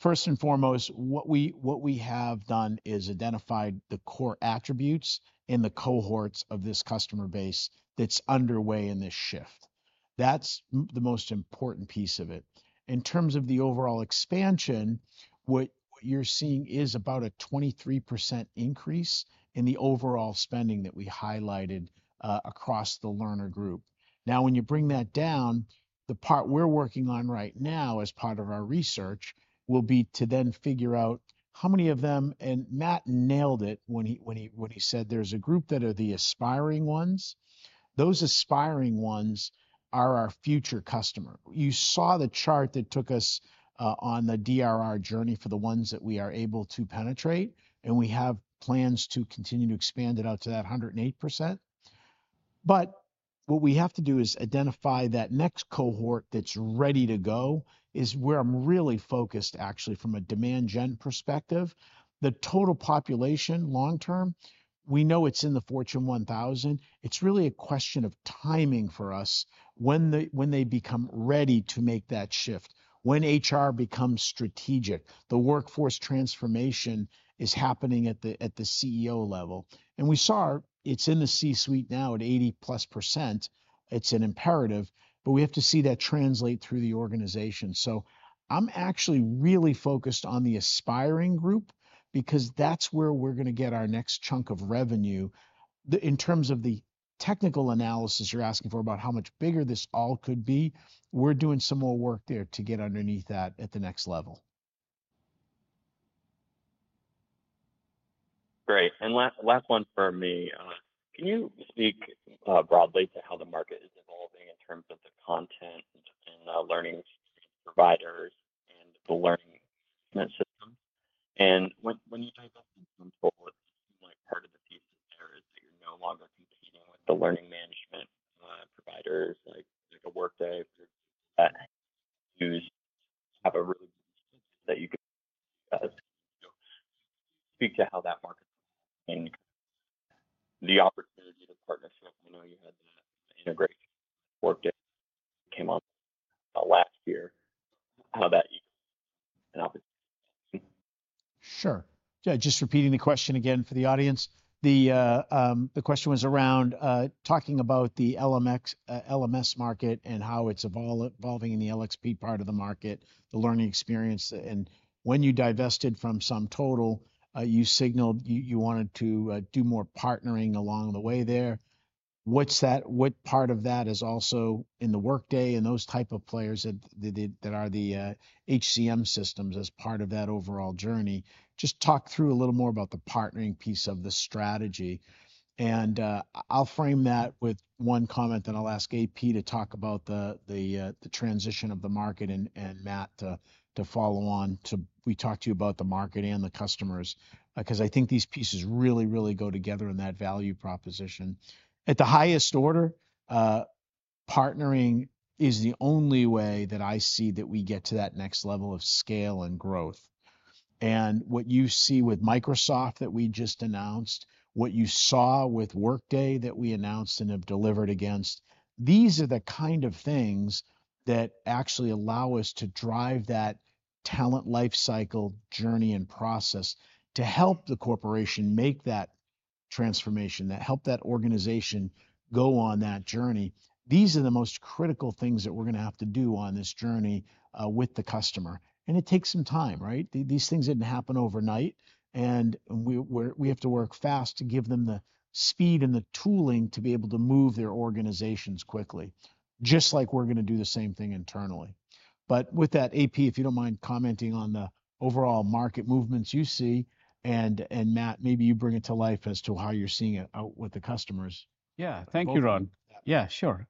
First and foremost, what we have done is identified the core attributes in the cohorts of this customer base that's underway in this shift. That's the most important piece of it. In terms of the overall expansion, what you're seeing is about a 23% increase in the overall spending that we highlighted, across the learner group. Now, when you bring that down, the part we're working on right now as part of our research will be to then figure out how many of them, and Matt nailed it when he said there's a group that are the aspiring ones. Those aspiring ones are our future customer. You saw the chart that took us on the DRR journey for the ones that we are able to penetrate, and we have plans to continue to expand it out to that 108%. But what we have to do is identify that next cohort that's ready to go, is where I'm really focused, actually, from a demand gen perspective. The total population long term, we know it's in the Fortune 1000. It's really a question of timing for us when they become ready to make that shift, when HR becomes strategic. The workforce transformation is happening at the C-suite now at 80%+. It's an imperative, but we have to see that translate through the organization. So I'm actually really focused on the aspiring group because that's where we're gonna get our next chunk of revenue. In terms of the technical analysis you're asking for about how much bigger this all could be, we're doing some more work there to get underneath that at the next level. Great. And last, last one from me. Can you speak broadly to how the market is evolving in terms of the content and learning providers and the learning management system? And when you talk about forward, like, part of the piece there is that you're no longer competing with the learning management providers, like a Workday, who have a really that you could speak to how that market and the opportunity to partner. I know you had that integration Workday came on last year, how that's an opportunity. Sure. Yeah, just repeating the question again for the audience. The question was around talking about the LMS market and how it's evolving in the LXP part of the market, the learning experience, and when you divested from SumTotal, you signaled you wanted to do more partnering along the way there. What part of that is also in the Workday and those type of players that are the HCM systems as part of that overall journey? Just talk through a little more about the partnering piece of the strategy, and I'll frame that with one comment, then I'll ask AP to talk about the transition of the market, and Matt to follow on to we talk to you about the market and the customers, 'cause I think these pieces really, really go together in that value proposition. At the highest order, partnering is the only way that I see that we get to that next level of scale and growth. And what you see with Microsoft that we just announced, what you saw with Workday that we announced and have delivered against, these are the kind of things that actually allow us to drive that talent lifecycle journey and process to help the corporation make that transformation, that help that organization go on that journey. These are the most critical things that we're gonna have to do on this journey, with the customer, and it takes some time, right? These things didn't happen overnight, and we have to work fast to give them the speed and the tooling to be able to move their organizations quickly, just like we're gonna do the same thing internally. But with that, AP, if you don't mind commenting on the overall market movements you see, and, Matt, maybe you bring it to life as to how you're seeing it out with the customers. Yeah. Thank you, Ron. Yeah, sure.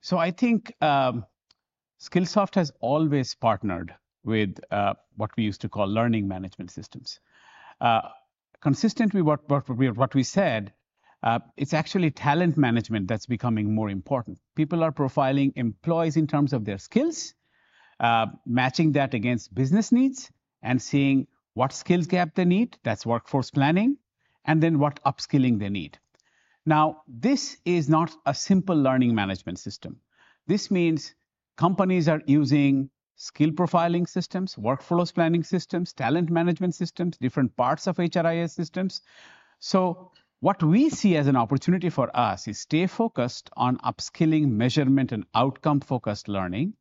So I think, Skillsoft has always partnered with, what we used to call learning management systems. Consistently, what we said, it's actually talent management that's becoming more important. People are profiling employees in terms of their skills, matching that against business needs, and seeing what skills gap they need, that's workforce planning, and then what upskilling they need. Now, this is not a simple learning management system. This means companies are using skill profiling systems, workflows planning systems, talent management systems, different parts of HRIS systems. So what we see as an opportunity for us is stay focused on upskilling, measurement, and outcome-focused learning....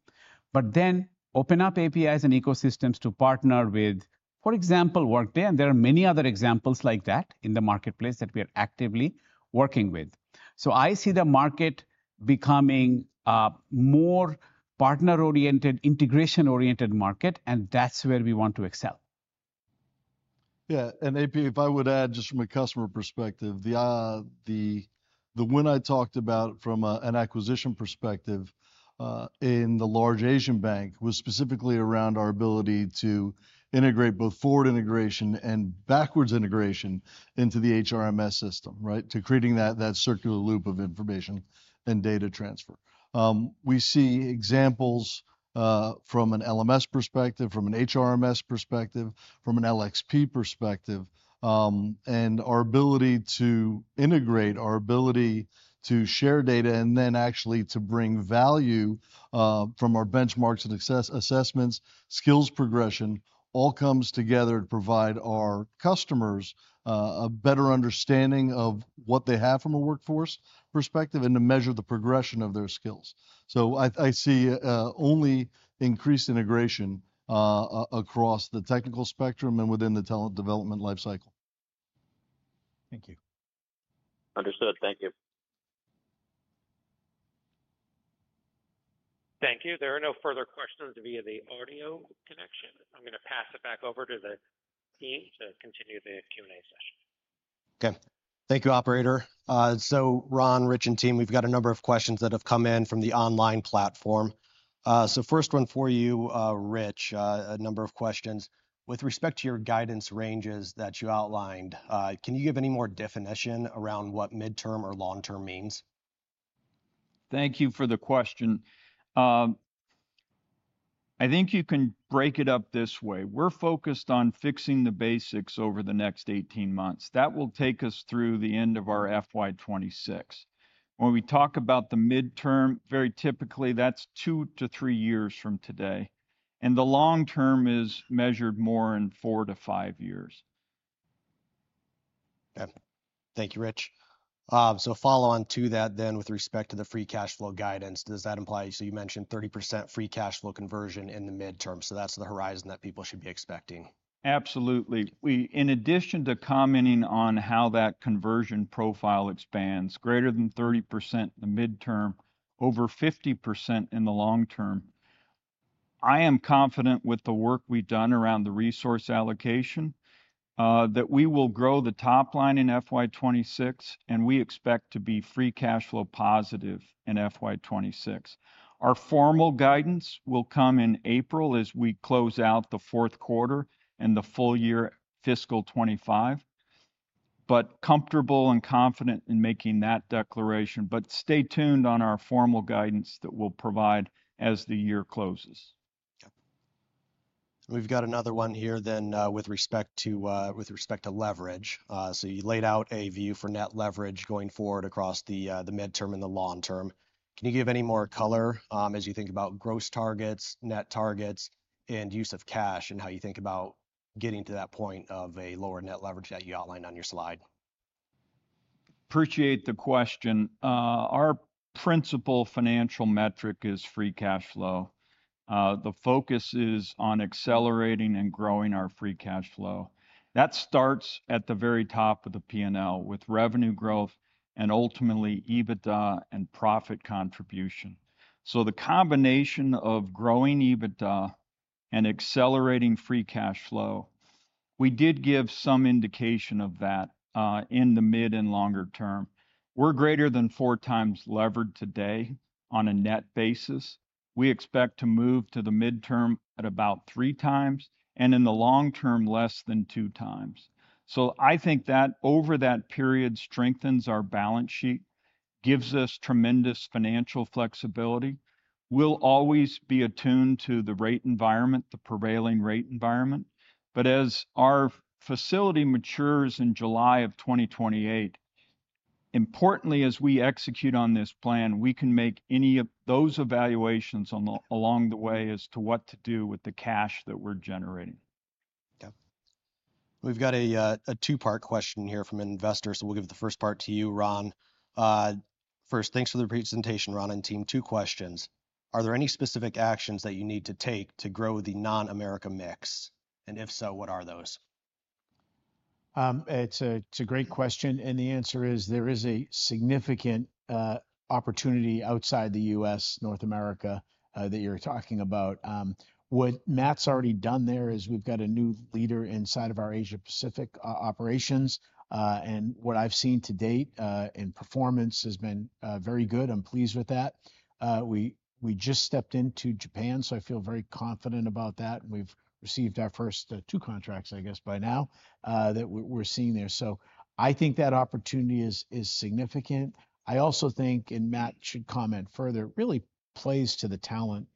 but then open up APIs and ecosystems to partner with, for example, Workday, and there are many other examples like that in the marketplace that we are actively working with. So I see the market becoming a more partner-oriented, integration-oriented market, and that's where we want to excel. Yeah, and AP, if I would add, just from a customer perspective, the win I talked about from an acquisition perspective in the large Asian bank was specifically around our ability to integrate both forward integration and backwards integration into the HRMS system, right? To creating that circular loop of information and data transfer. We see examples from an LMS perspective, from an HRMS perspective, from an LXP perspective, and our ability to integrate, our ability to share data, and then actually to bring value from our benchmarks and assessments, skills progression, all comes together to provide our customers a better understanding of what they have from a workforce perspective and to measure the progression of their skills. So I see only increased integration across the technical spectrum and within the talent development life cycle. Thank you. Understood. Thank you. Thank you. There are no further questions via the audio connection. I'm gonna pass it back over to the team to continue the Q&A session. Okay. Thank you, operator. So Ron, Rich, and team, we've got a number of questions that have come in from the online platform. So first one for you, Rich, a number of questions. With respect to your guidance ranges that you outlined, can you give any more definition around what midterm or long-term means? Thank you for the question. I think you can break it up this way. We're focused on fixing the basics over the next 18 months. That will take us through the end of our FY 2026. When we talk about the midterm, very typically, that's 2-3 years from today, and the long term is measured more in 4-5 years. Okay. Thank you, Rich. So follow on to that then, with respect to the free cash flow guidance, does that imply... So you mentioned 30% free cash flow conversion in the midterm, so that's the horizon that people should be expecting? Absolutely. We in addition to commenting on how that conversion profile expands greater than 30% in the midterm, over 50% in the long term, I am confident with the work we've done around the resource allocation, that we will grow the top line in FY 26, and we expect to be free cash flow positive in FY 26. Our formal guidance will come in April as we close out the fourth quarter and the full year fiscal 25, but comfortable and confident in making that declaration. But stay tuned on our formal guidance that we'll provide as the year closes. Okay. We've got another one here then, with respect to, with respect to leverage. So you laid out a view for net leverage going forward across the midterm and the long term. Can you give any more color, as you think about gross targets, net targets, and use of cash, and how you think about getting to that point of a lower net leverage that you outlined on your slide? Appreciate the question. Our principal financial metric is free cash flow. The focus is on accelerating and growing our free cash flow. That starts at the very top of the P&L, with revenue growth and ultimately, EBITDA and profit contribution. So the combination of growing EBITDA and accelerating free cash flow, we did give some indication of that, in the mid and longer term. We're greater than 4x levered today on a net basis. We expect to move to the midterm at about 3x, and in the long term, less than 2x. So I think that, over that period, strengthens our balance sheet, gives us tremendous financial flexibility. We'll always be attuned to the rate environment, the prevailing rate environment. As our facility matures in July of 2028, importantly, as we execute on this plan, we can make any of those evaluations along the way as to what to do with the cash that we're generating. Yeah. We've got a two-part question here from an investor, so we'll give the first part to you, Ron. First, thanks for the presentation, Ron and team. Two questions: Are there any specific actions that you need to take to grow the non-America mix? And if so, what are those? It's a great question, and the answer is, there is a significant opportunity outside the U.S., North America that you're talking about. What Matt's already done there is we've got a new leader inside of our Asia Pacific operations. And what I've seen to date in performance has been very good. I'm pleased with that. We just stepped into Japan, so I feel very confident about that. We've received our first 2 contracts, I guess, by now, that we're seeing there. So I think that opportunity is significant. I also think, and Matt should comment further, really plays to the talent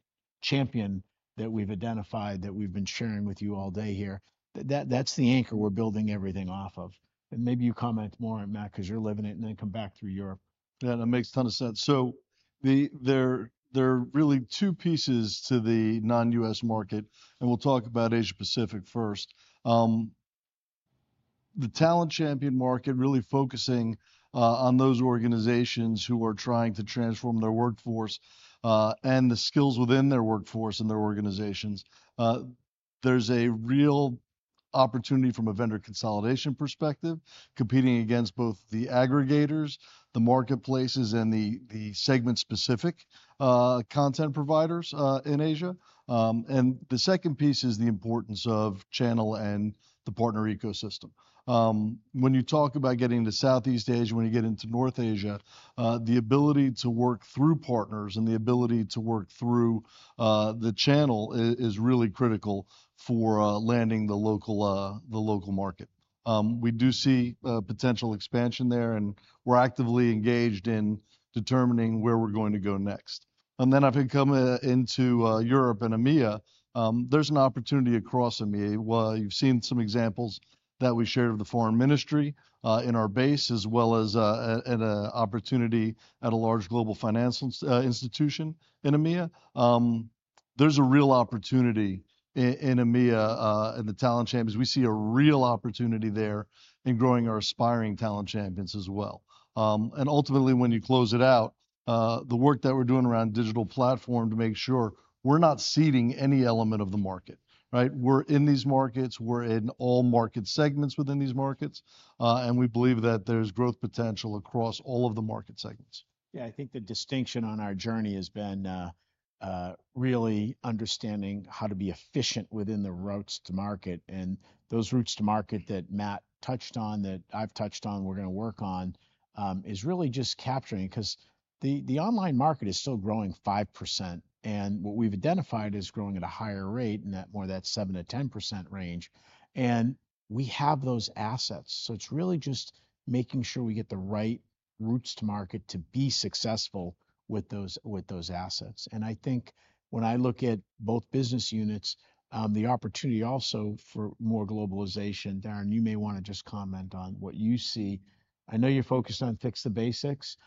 champion that we've identified, that we've been sharing with you all day here. That, that's the anchor we're building everything off of. Maybe you comment more on it, Matt, 'cause you're living it, and then come back through Europe. Yeah, that makes a ton of sense. So the... There, there are really two pieces to the non-U.S. market, and we'll talk about Asia Pacific first.... the talent champion market really focusing on those organizations who are trying to transform their workforce, and the skills within their workforce and their organizations. There's a real opportunity from a vendor consolidation perspective, competing against both the aggregators, the marketplaces, and the segment-specific content providers in Asia. The second piece is the importance of channel and the partner ecosystem. When you talk about getting to Southeast Asia, when you get into North Asia, the ability to work through partners and the ability to work through the channel is really critical for landing the local market. We do see potential expansion there, and we're actively engaged in determining where we're going to go next. Then if you come into Europe and EMEA, there's an opportunity across EMEA. Well, you've seen some examples that we shared with the foreign ministry, in our base, as well as, at an opportunity at a large global finance, institution in EMEA. There's a real opportunity in EMEA, in the Talent Champions. We see a real opportunity there in growing our Aspiring Talent Champions as well. And ultimately, when you close it out, the work that we're doing around digital platform to make sure we're not ceding any element of the market, right? We're in these markets, we're in all market segments within these markets, and we believe that there's growth potential across all of the market segments. Yeah, I think the distinction on our journey has been really understanding how to be efficient within the routes to market, and those routes to market that Matt touched on, that I've touched on, we're gonna work on, is really just capturing. 'Cause the online market is still growing 5%, and what we've identified is growing at a higher rate, and that - more of that 7%-10% range, and we have those assets. So it's really just making sure we get the right routes to market to be successful with those, with those assets. And I think when I look at both business units, the opportunity also for more globalization, Darren, you may wanna just comment on what you see. I know you're focused on Fix the Basics.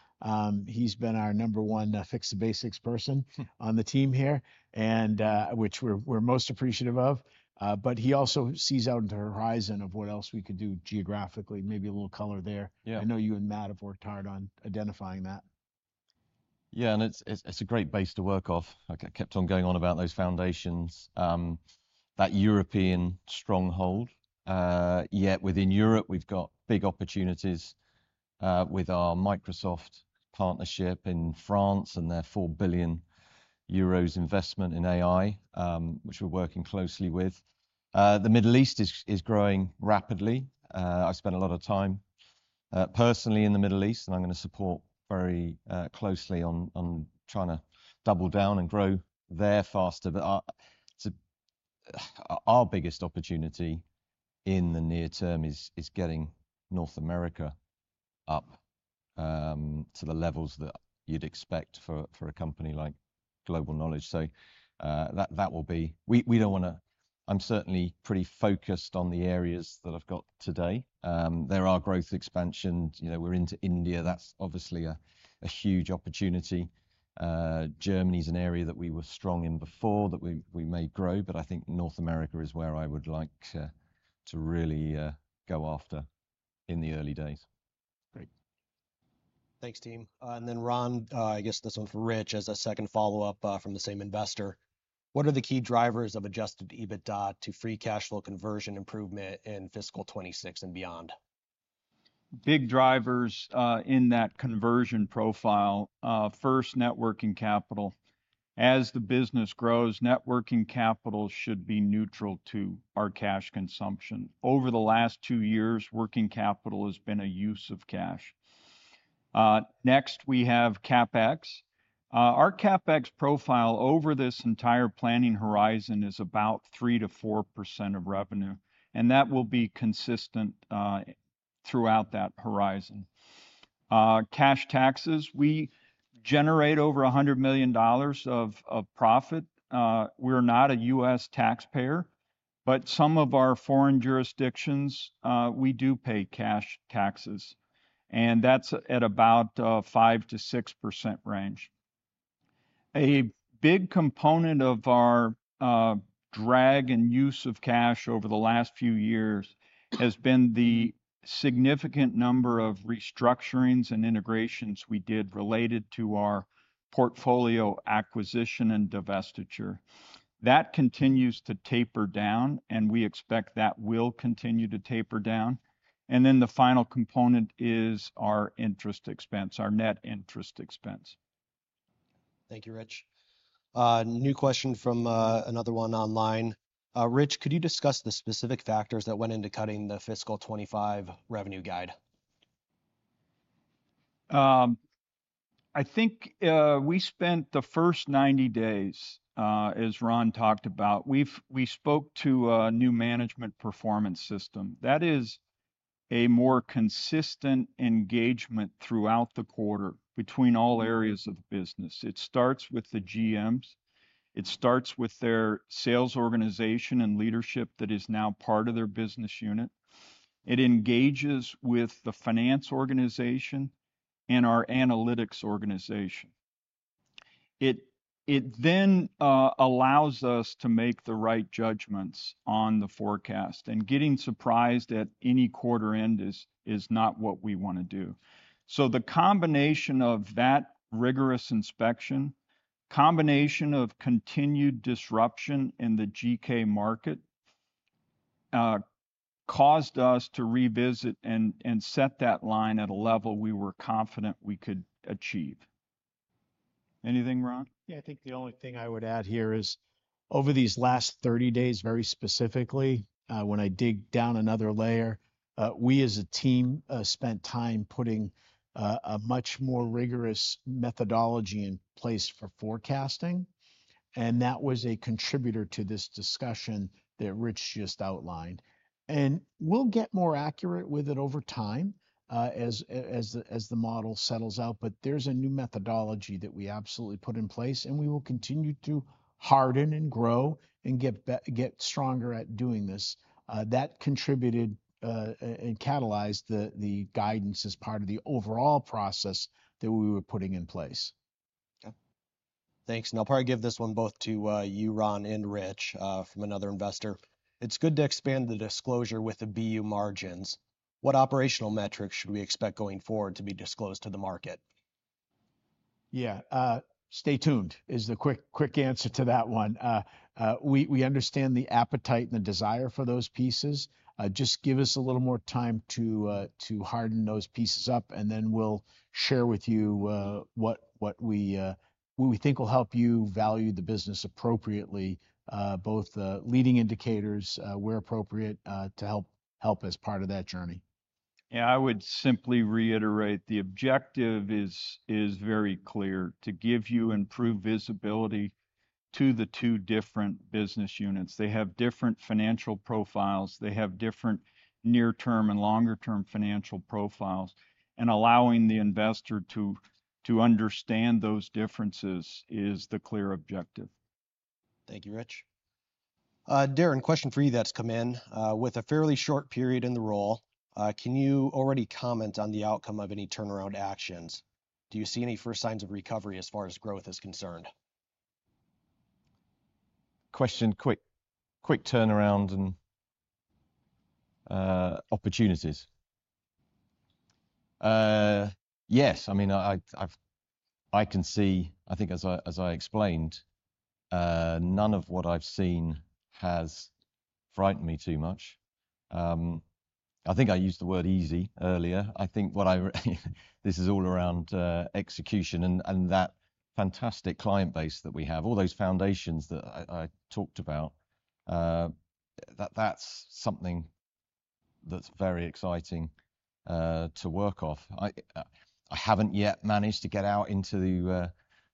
He's been our number one Fix the Basics person on the team here, and which we're most appreciative of. But he also sees out into the horizon of what else we could do geographically. Maybe a little color there. Yeah. I know you and Matt have worked hard on identifying that. Yeah, and it's a great base to work off. I kept on going on about those foundations, that European stronghold. Yet within Europe, we've got big opportunities, with our Microsoft partnership in France and their 4 billion euros investment in AI, which we're working closely with. The Middle East is growing rapidly. I spent a lot of time personally in the Middle East, and I'm gonna support very closely on trying to double down and grow there faster. But to our biggest opportunity in the near term is getting North America up to the levels that you'd expect for a company like Global Knowledge. So, that will be we don't wanna I'm certainly pretty focused on the areas that I've got today. There are growth expansion. You know, we're into India, that's obviously a huge opportunity. Germany's an area that we were strong in before, that we may grow, but I think North America is where I would like to really go after in the early days. Great. Thanks, team. And then Ron, I guess this one's for Rich as a second follow-up, from the same investor: What are the key drivers of adjusted EBITDA to free cash flow conversion improvement in fiscal 2026 and beyond? Big drivers in that conversion profile, first, net working capital. As the business grows, net working capital should be neutral to our cash consumption. Over the last two years, working capital has been a use of cash. Next, we have CapEx. Our CapEx profile over this entire planning horizon is about 3%-4% of revenue, and that will be consistent throughout that horizon. Cash taxes, we generate over $100 million of profit. We're not a U.S. taxpayer, but some of our foreign jurisdictions, we do pay cash taxes, and that's at about 5%-6% range. A big component of our drag and use of cash over the last few years has been the significant number of restructurings and integrations we did related to our portfolio acquisition and divestiture. That continues to taper down, and we expect that will continue to taper down. And then the final component is our interest expense, our net interest expense. Thank you, Rich. New question from another one online. "Rich, could you discuss the specific factors that went into cutting the fiscal '25 revenue guide? I think, we spent the first 90 days, as Ron talked about, we spoke to a new management performance system. That is a more consistent engagement throughout the quarter between all areas of the business. It starts with the GMs. It starts with their sales organization and leadership that is now part of their business unit. It engages with the finance organization and our analytics organization.... It, it then allows us to make the right judgments on the forecast, and getting surprised at any quarter end is not what we wanna do. So the combination of that rigorous inspection, combination of continued disruption in the GK market, caused us to revisit and set that line at a level we were confident we could achieve. Anything, Ron? Yeah, I think the only thing I would add here is, over these last 30 days, very specifically, when I dig down another layer, we as a team spent time putting a much more rigorous methodology in place for forecasting, and that was a contributor to this discussion that Rich just outlined. And we'll get more accurate with it over time, as the model settles out, but there's a new methodology that we absolutely put in place, and we will continue to harden and grow and get stronger at doing this. That contributed and catalyzed the guidance as part of the overall process that we were putting in place. Okay. Thanks, and I'll probably give this one both to, you, Ron, and Rich, from another investor: "It's good to expand the disclosure with the BU margins. What operational metrics should we expect going forward to be disclosed to the market? Yeah, stay tuned, is the quick, quick answer to that one. We understand the appetite and the desire for those pieces. Just give us a little more time to harden those pieces up, and then we'll share with you what we think will help you value the business appropriately, both the leading indicators, where appropriate, to help as part of that journey. Yeah, I would simply reiterate the objective is very clear: to give you improved visibility to the two different business units. They have different financial profiles, they have different near-term and longer-term financial profiles, and allowing the investor to understand those differences is the clear objective. Thank you, Rich. Darren, question for you that's come in: "With a fairly short period in the role, can you already comment on the outcome of any turnaround actions? Do you see any first signs of recovery as far as growth is concerned? Question, quick, quick turnaround and opportunities. Yes, I mean, I've... I can see, I think as I explained, none of what I've seen has frightened me too much. I think I used the word easy earlier. I think what I... This is all around execution and that fantastic client base that we have, all those foundations that I talked about. That's something that's very exciting to work off. I haven't yet managed to get out into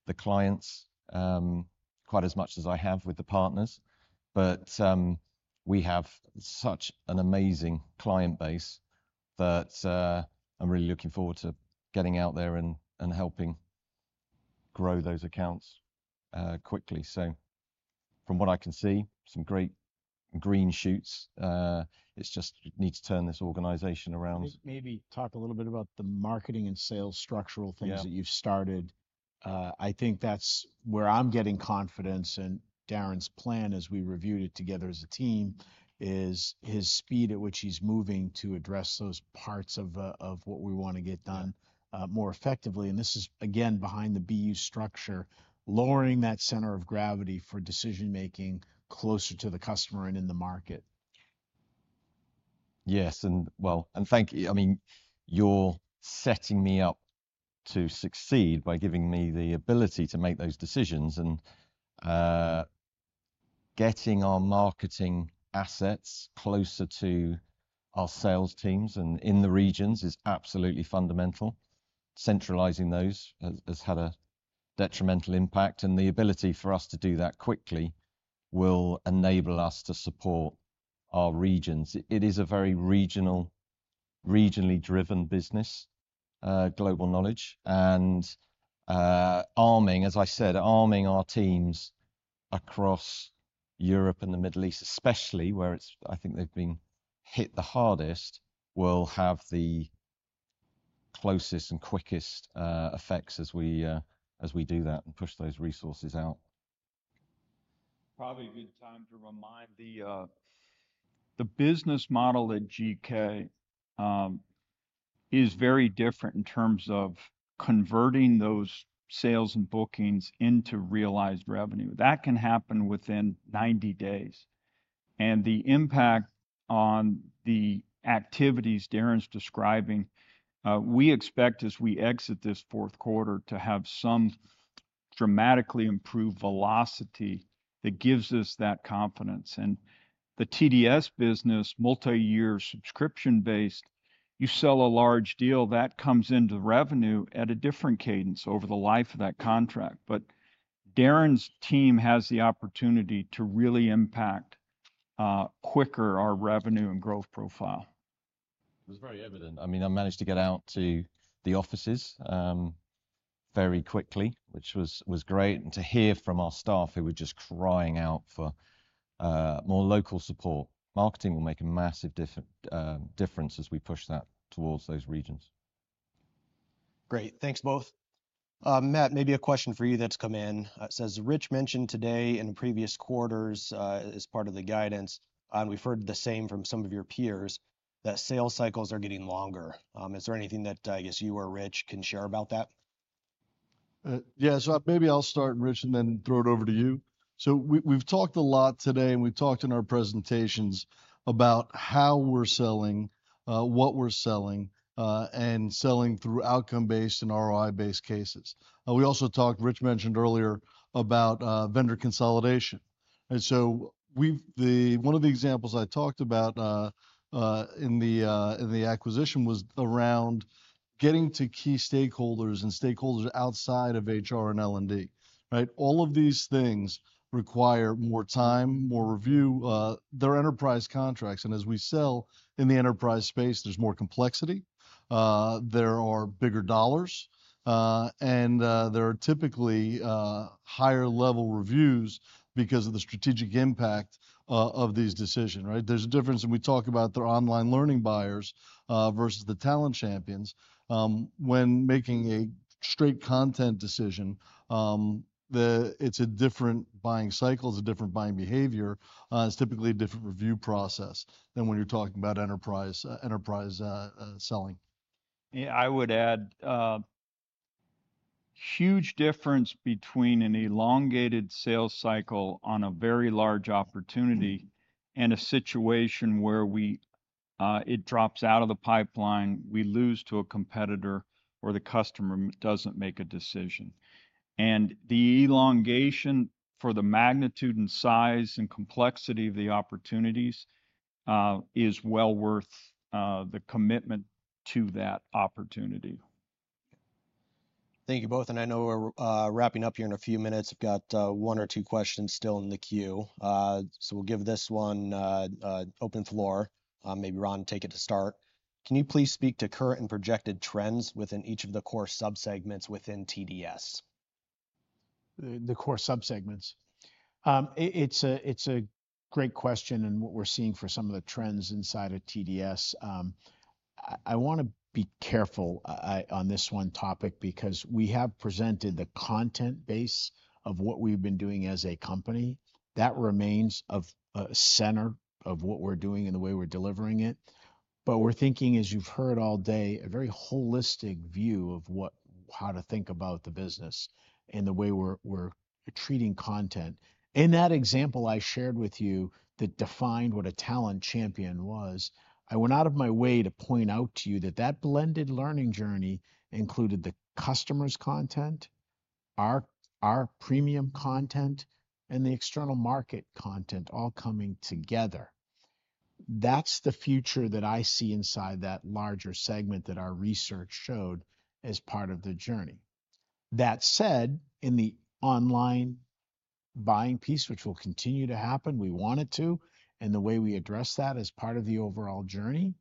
the clients quite as much as I have with the partners, but we have such an amazing client base that I'm really looking forward to getting out there and helping grow those accounts quickly. So from what I can see, some great green shoots. It's just need to turn this organization around. I think maybe talk a little bit about the marketing and sales structural things- Yeah... that you've started. I think that's where I'm getting confidence in Darren's plan, as we reviewed it together as a team, is his speed at which he's moving to address those parts of, of what we wanna get done, more effectively. And this is, again, behind the BU structure, lowering that center of gravity for decision-making closer to the customer and in the market. Yes, well, thank you. I mean, you're setting me up to succeed by giving me the ability to make those decisions, and getting our marketing assets closer to our sales teams and in the regions is absolutely fundamental. Centralizing those has had a detrimental impact, and the ability for us to do that quickly will enable us to support our regions. It is a very regionally driven business, Global Knowledge, and arming, as I said, our teams across Europe and the Middle East, especially where it's... I think they've been hit the hardest, will have the closest and quickest effects as we do that and push those resources out. Probably a good time to remind the business model at GK is very different in terms of converting those sales and bookings into realized revenue. That can happen within 90 days, and the impact on the activities Darren's describing, we expect, as we exit this fourth quarter, to have some dramatically improved velocity that gives us that confidence. And the TDS business, multi-year subscription-based, you sell a large deal, that comes into the revenue at a different cadence over the life of that contract. But Darren's team has the opportunity to really impact quicker our revenue and growth profile. It's very evident. I mean, I managed to get out to the offices very quickly, which was great, and to hear from our staff, who were just crying out for-... more local support. Marketing will make a massive difference as we push that towards those regions. Great. Thanks, both. Matt, maybe a question for you that's come in. It says: Rich mentioned today in previous quarters, as part of the guidance, and we've heard the same from some of your peers, that sales cycles are getting longer. Is there anything that, I guess, you or Rich can share about that? Yeah, so maybe I'll start, Rich, and then throw it over to you. So we, we've talked a lot today, and we've talked in our presentations about how we're selling, what we're selling, and selling through outcome-based and ROI-based cases. We also talked, Rich mentioned earlier, about vendor consolidation. And so we've. The one of the examples I talked about, in the acquisition was around getting to key stakeholders and stakeholders outside of HR and L&D, right? All of these things require more time, more review, their enterprise contracts, and as we sell in the enterprise space, there's more complexity, there are bigger dollars, and, there are typically, higher-level reviews because of the strategic impact, of these decision, right? There's a difference, and we talk about their online learning buyers versus the Talent Champions. When making a straight content decision, it's a different buying cycle. It's a different buying behavior. It's typically a different review process than when you're talking about enterprise selling. Yeah, I would add, huge difference between an elongated sales cycle on a very large opportunity and a situation where we, it drops out of the pipeline, we lose to a competitor, or the customer doesn't make a decision. And the elongation for the magnitude and size and complexity of the opportunities is well worth the commitment to that opportunity. Thank you both, and I know we're wrapping up here in a few minutes. I've got one or two questions still in the queue. So we'll give this one open floor. Maybe Ron, take it to start. Can you please speak to current and projected trends within each of the core subsegments within TDS? The core subsegments. It's a great question in what we're seeing for some of the trends inside of TDS. I wanna be careful on this one topic because we have presented the content base of what we've been doing as a company. That remains of center of what we're doing and the way we're delivering it. But we're thinking, as you've heard all day, a very holistic view of how to think about the business and the way we're treating content. In that example I shared with you that defined what a talent champion was, I went out of my way to point out to you that that blended learning journey included the customer's content, our premium content, and the external market content all coming together. That's the future that I see inside that larger segment that our research showed as part of the journey. That said, in the online buying piece, which will continue to happen, we want it to, and the way we address that is part of the overall journey.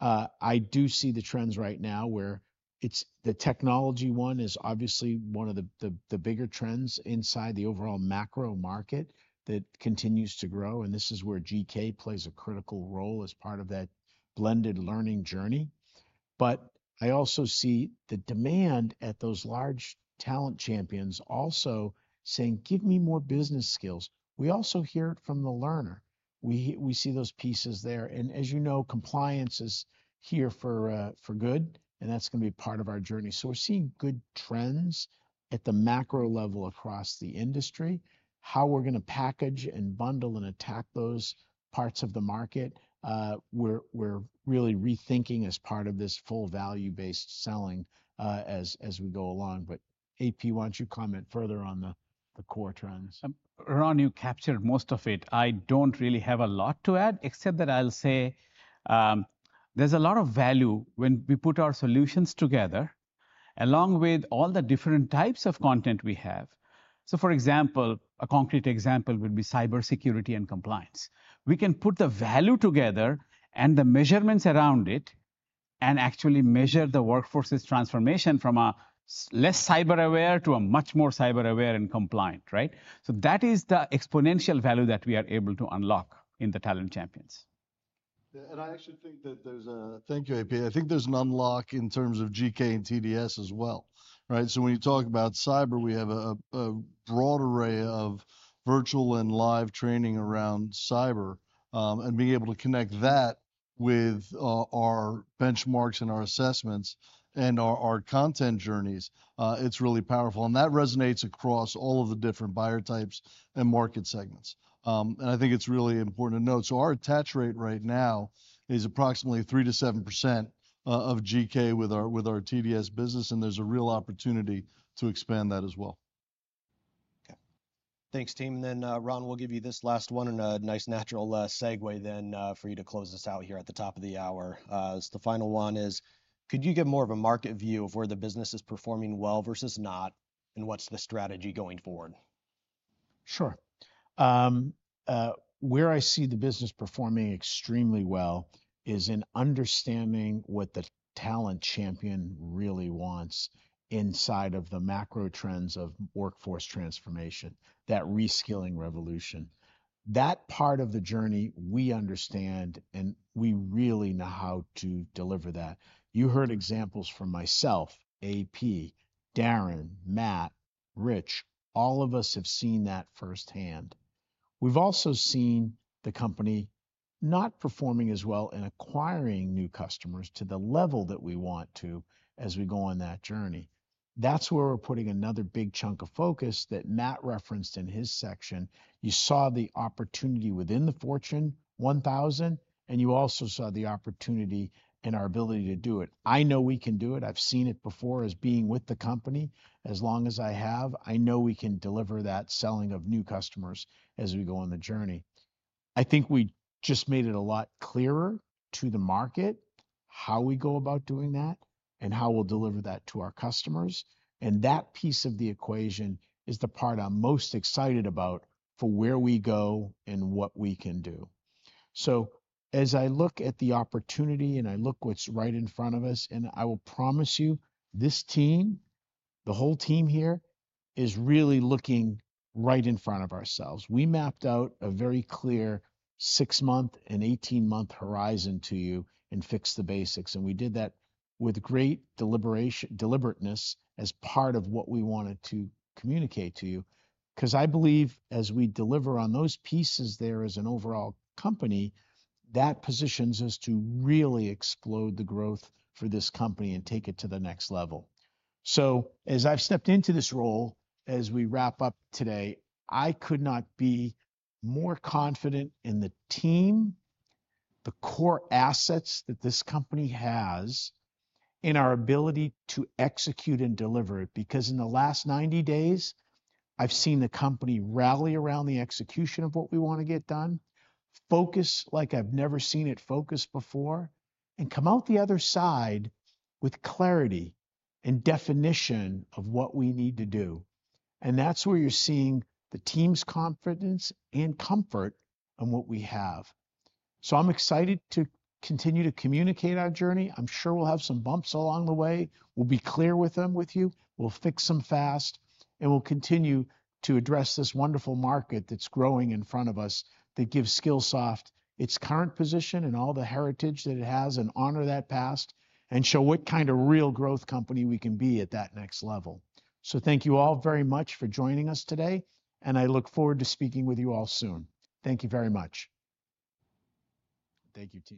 I do see the trends right now where it's the technology one is obviously one of the, the, the bigger trends inside the overall macro market that continues to grow, and this is where GK plays a critical role as part of that blended learning journey. But I also see the demand at those large Talent Champions also saying, "Give me more business skills." We also hear it from the learner. We see those pieces there, and as you know, compliance is here for good, and that's gonna be part of our journey. So we're seeing good trends at the macro level across the industry. How we're gonna package and bundle and attack those parts of the market, we're really rethinking as part of this full value-based selling, as we go along, but AP, why don't you comment further on the core trends? Ron, you captured most of it. I don't really have a lot to add, except that I'll say, there's a lot of value when we put our solutions together, along with all the different types of content we have. So for example, a concrete example would be cybersecurity and compliance. We can put the value together and the measurements around it and actually measure the workforce's transformation from a less cyber-aware to a much more cyber aware and compliant, right? So that is the exponential value that we are able to unlock in the Talent Champions. Yeah, and I actually think that there's a, Thank you, AP. I think there's an unlock in terms of GK and TDS as well, right? So when you talk about cyber, we have a broad array of virtual and live training around cyber, and being able to connect that with our benchmarks and our assessments and our content journeys, it's really powerful, and that resonates across all of the different buyer types and market segments. And I think it's really important to note, so our attach rate right now is approximately 3%-7% of GK with our TDS business, and there's a real opportunity to expand that as well. Okay. Thanks, team, and then, Ron, we'll give you this last one and a nice natural, segue then, for you to close us out here at the top of the hour. So the final one is, could you give more of a market view of where the business is performing well versus not, and what's the strategy going forward?... Sure. Where I see the business performing extremely well is in understanding what the talent champion really wants inside of the macro trends of workforce transformation, that reskilling revolution. That part of the journey we understand, and we really know how to deliver that. You heard examples from myself, AP, Darren, Matt, Rich, all of us have seen that firsthand. We've also seen the company not performing as well in acquiring new customers to the level that we want to as we go on that journey. That's where we're putting another big chunk of focus that Matt referenced in his section. You saw the opportunity within the Fortune 1000, and you also saw the opportunity and our ability to do it. I know we can do it. I've seen it before as being with the company as long as I have. I know we can deliver that selling of new customers as we go on the journey. I think we just made it a lot clearer to the market, how we go about doing that, and how we'll deliver that to our customers, and that piece of the equation is the part I'm most excited about for where we go and what we can do. So as I look at the opportunity, and I look what's right in front of us, and I will promise you, this team, the whole team here, is really looking right in front of ourselves. We mapped out a very clear 6-month and 18-month horizon to you and fixed the basics, and we did that with great deliberateness as part of what we wanted to communicate to you. 'Cause I believe as we deliver on those pieces there as an overall company, that positions us to really explode the growth for this company and take it to the next level. So as I've stepped into this role, as we wrap up today, I could not be more confident in the team, the core assets that this company has, and our ability to execute and deliver it, because in the last 90 days, I've seen the company rally around the execution of what we want to get done, focus like I've never seen it focus before, and come out the other side with clarity and definition of what we need to do. And that's where you're seeing the team's confidence and comfort in what we have. So I'm excited to continue to communicate our journey. I'm sure we'll have some bumps along the way. We'll be clear with them, with you, we'll fix them fast, and we'll continue to address this wonderful market that's growing in front of us, that gives Skillsoft its current position and all the heritage that it has, and honor that past, and show what kind of real growth company we can be at that next level. So thank you all very much for joining us today, and I look forward to speaking with you all soon. Thank you very much. Thank you, Team.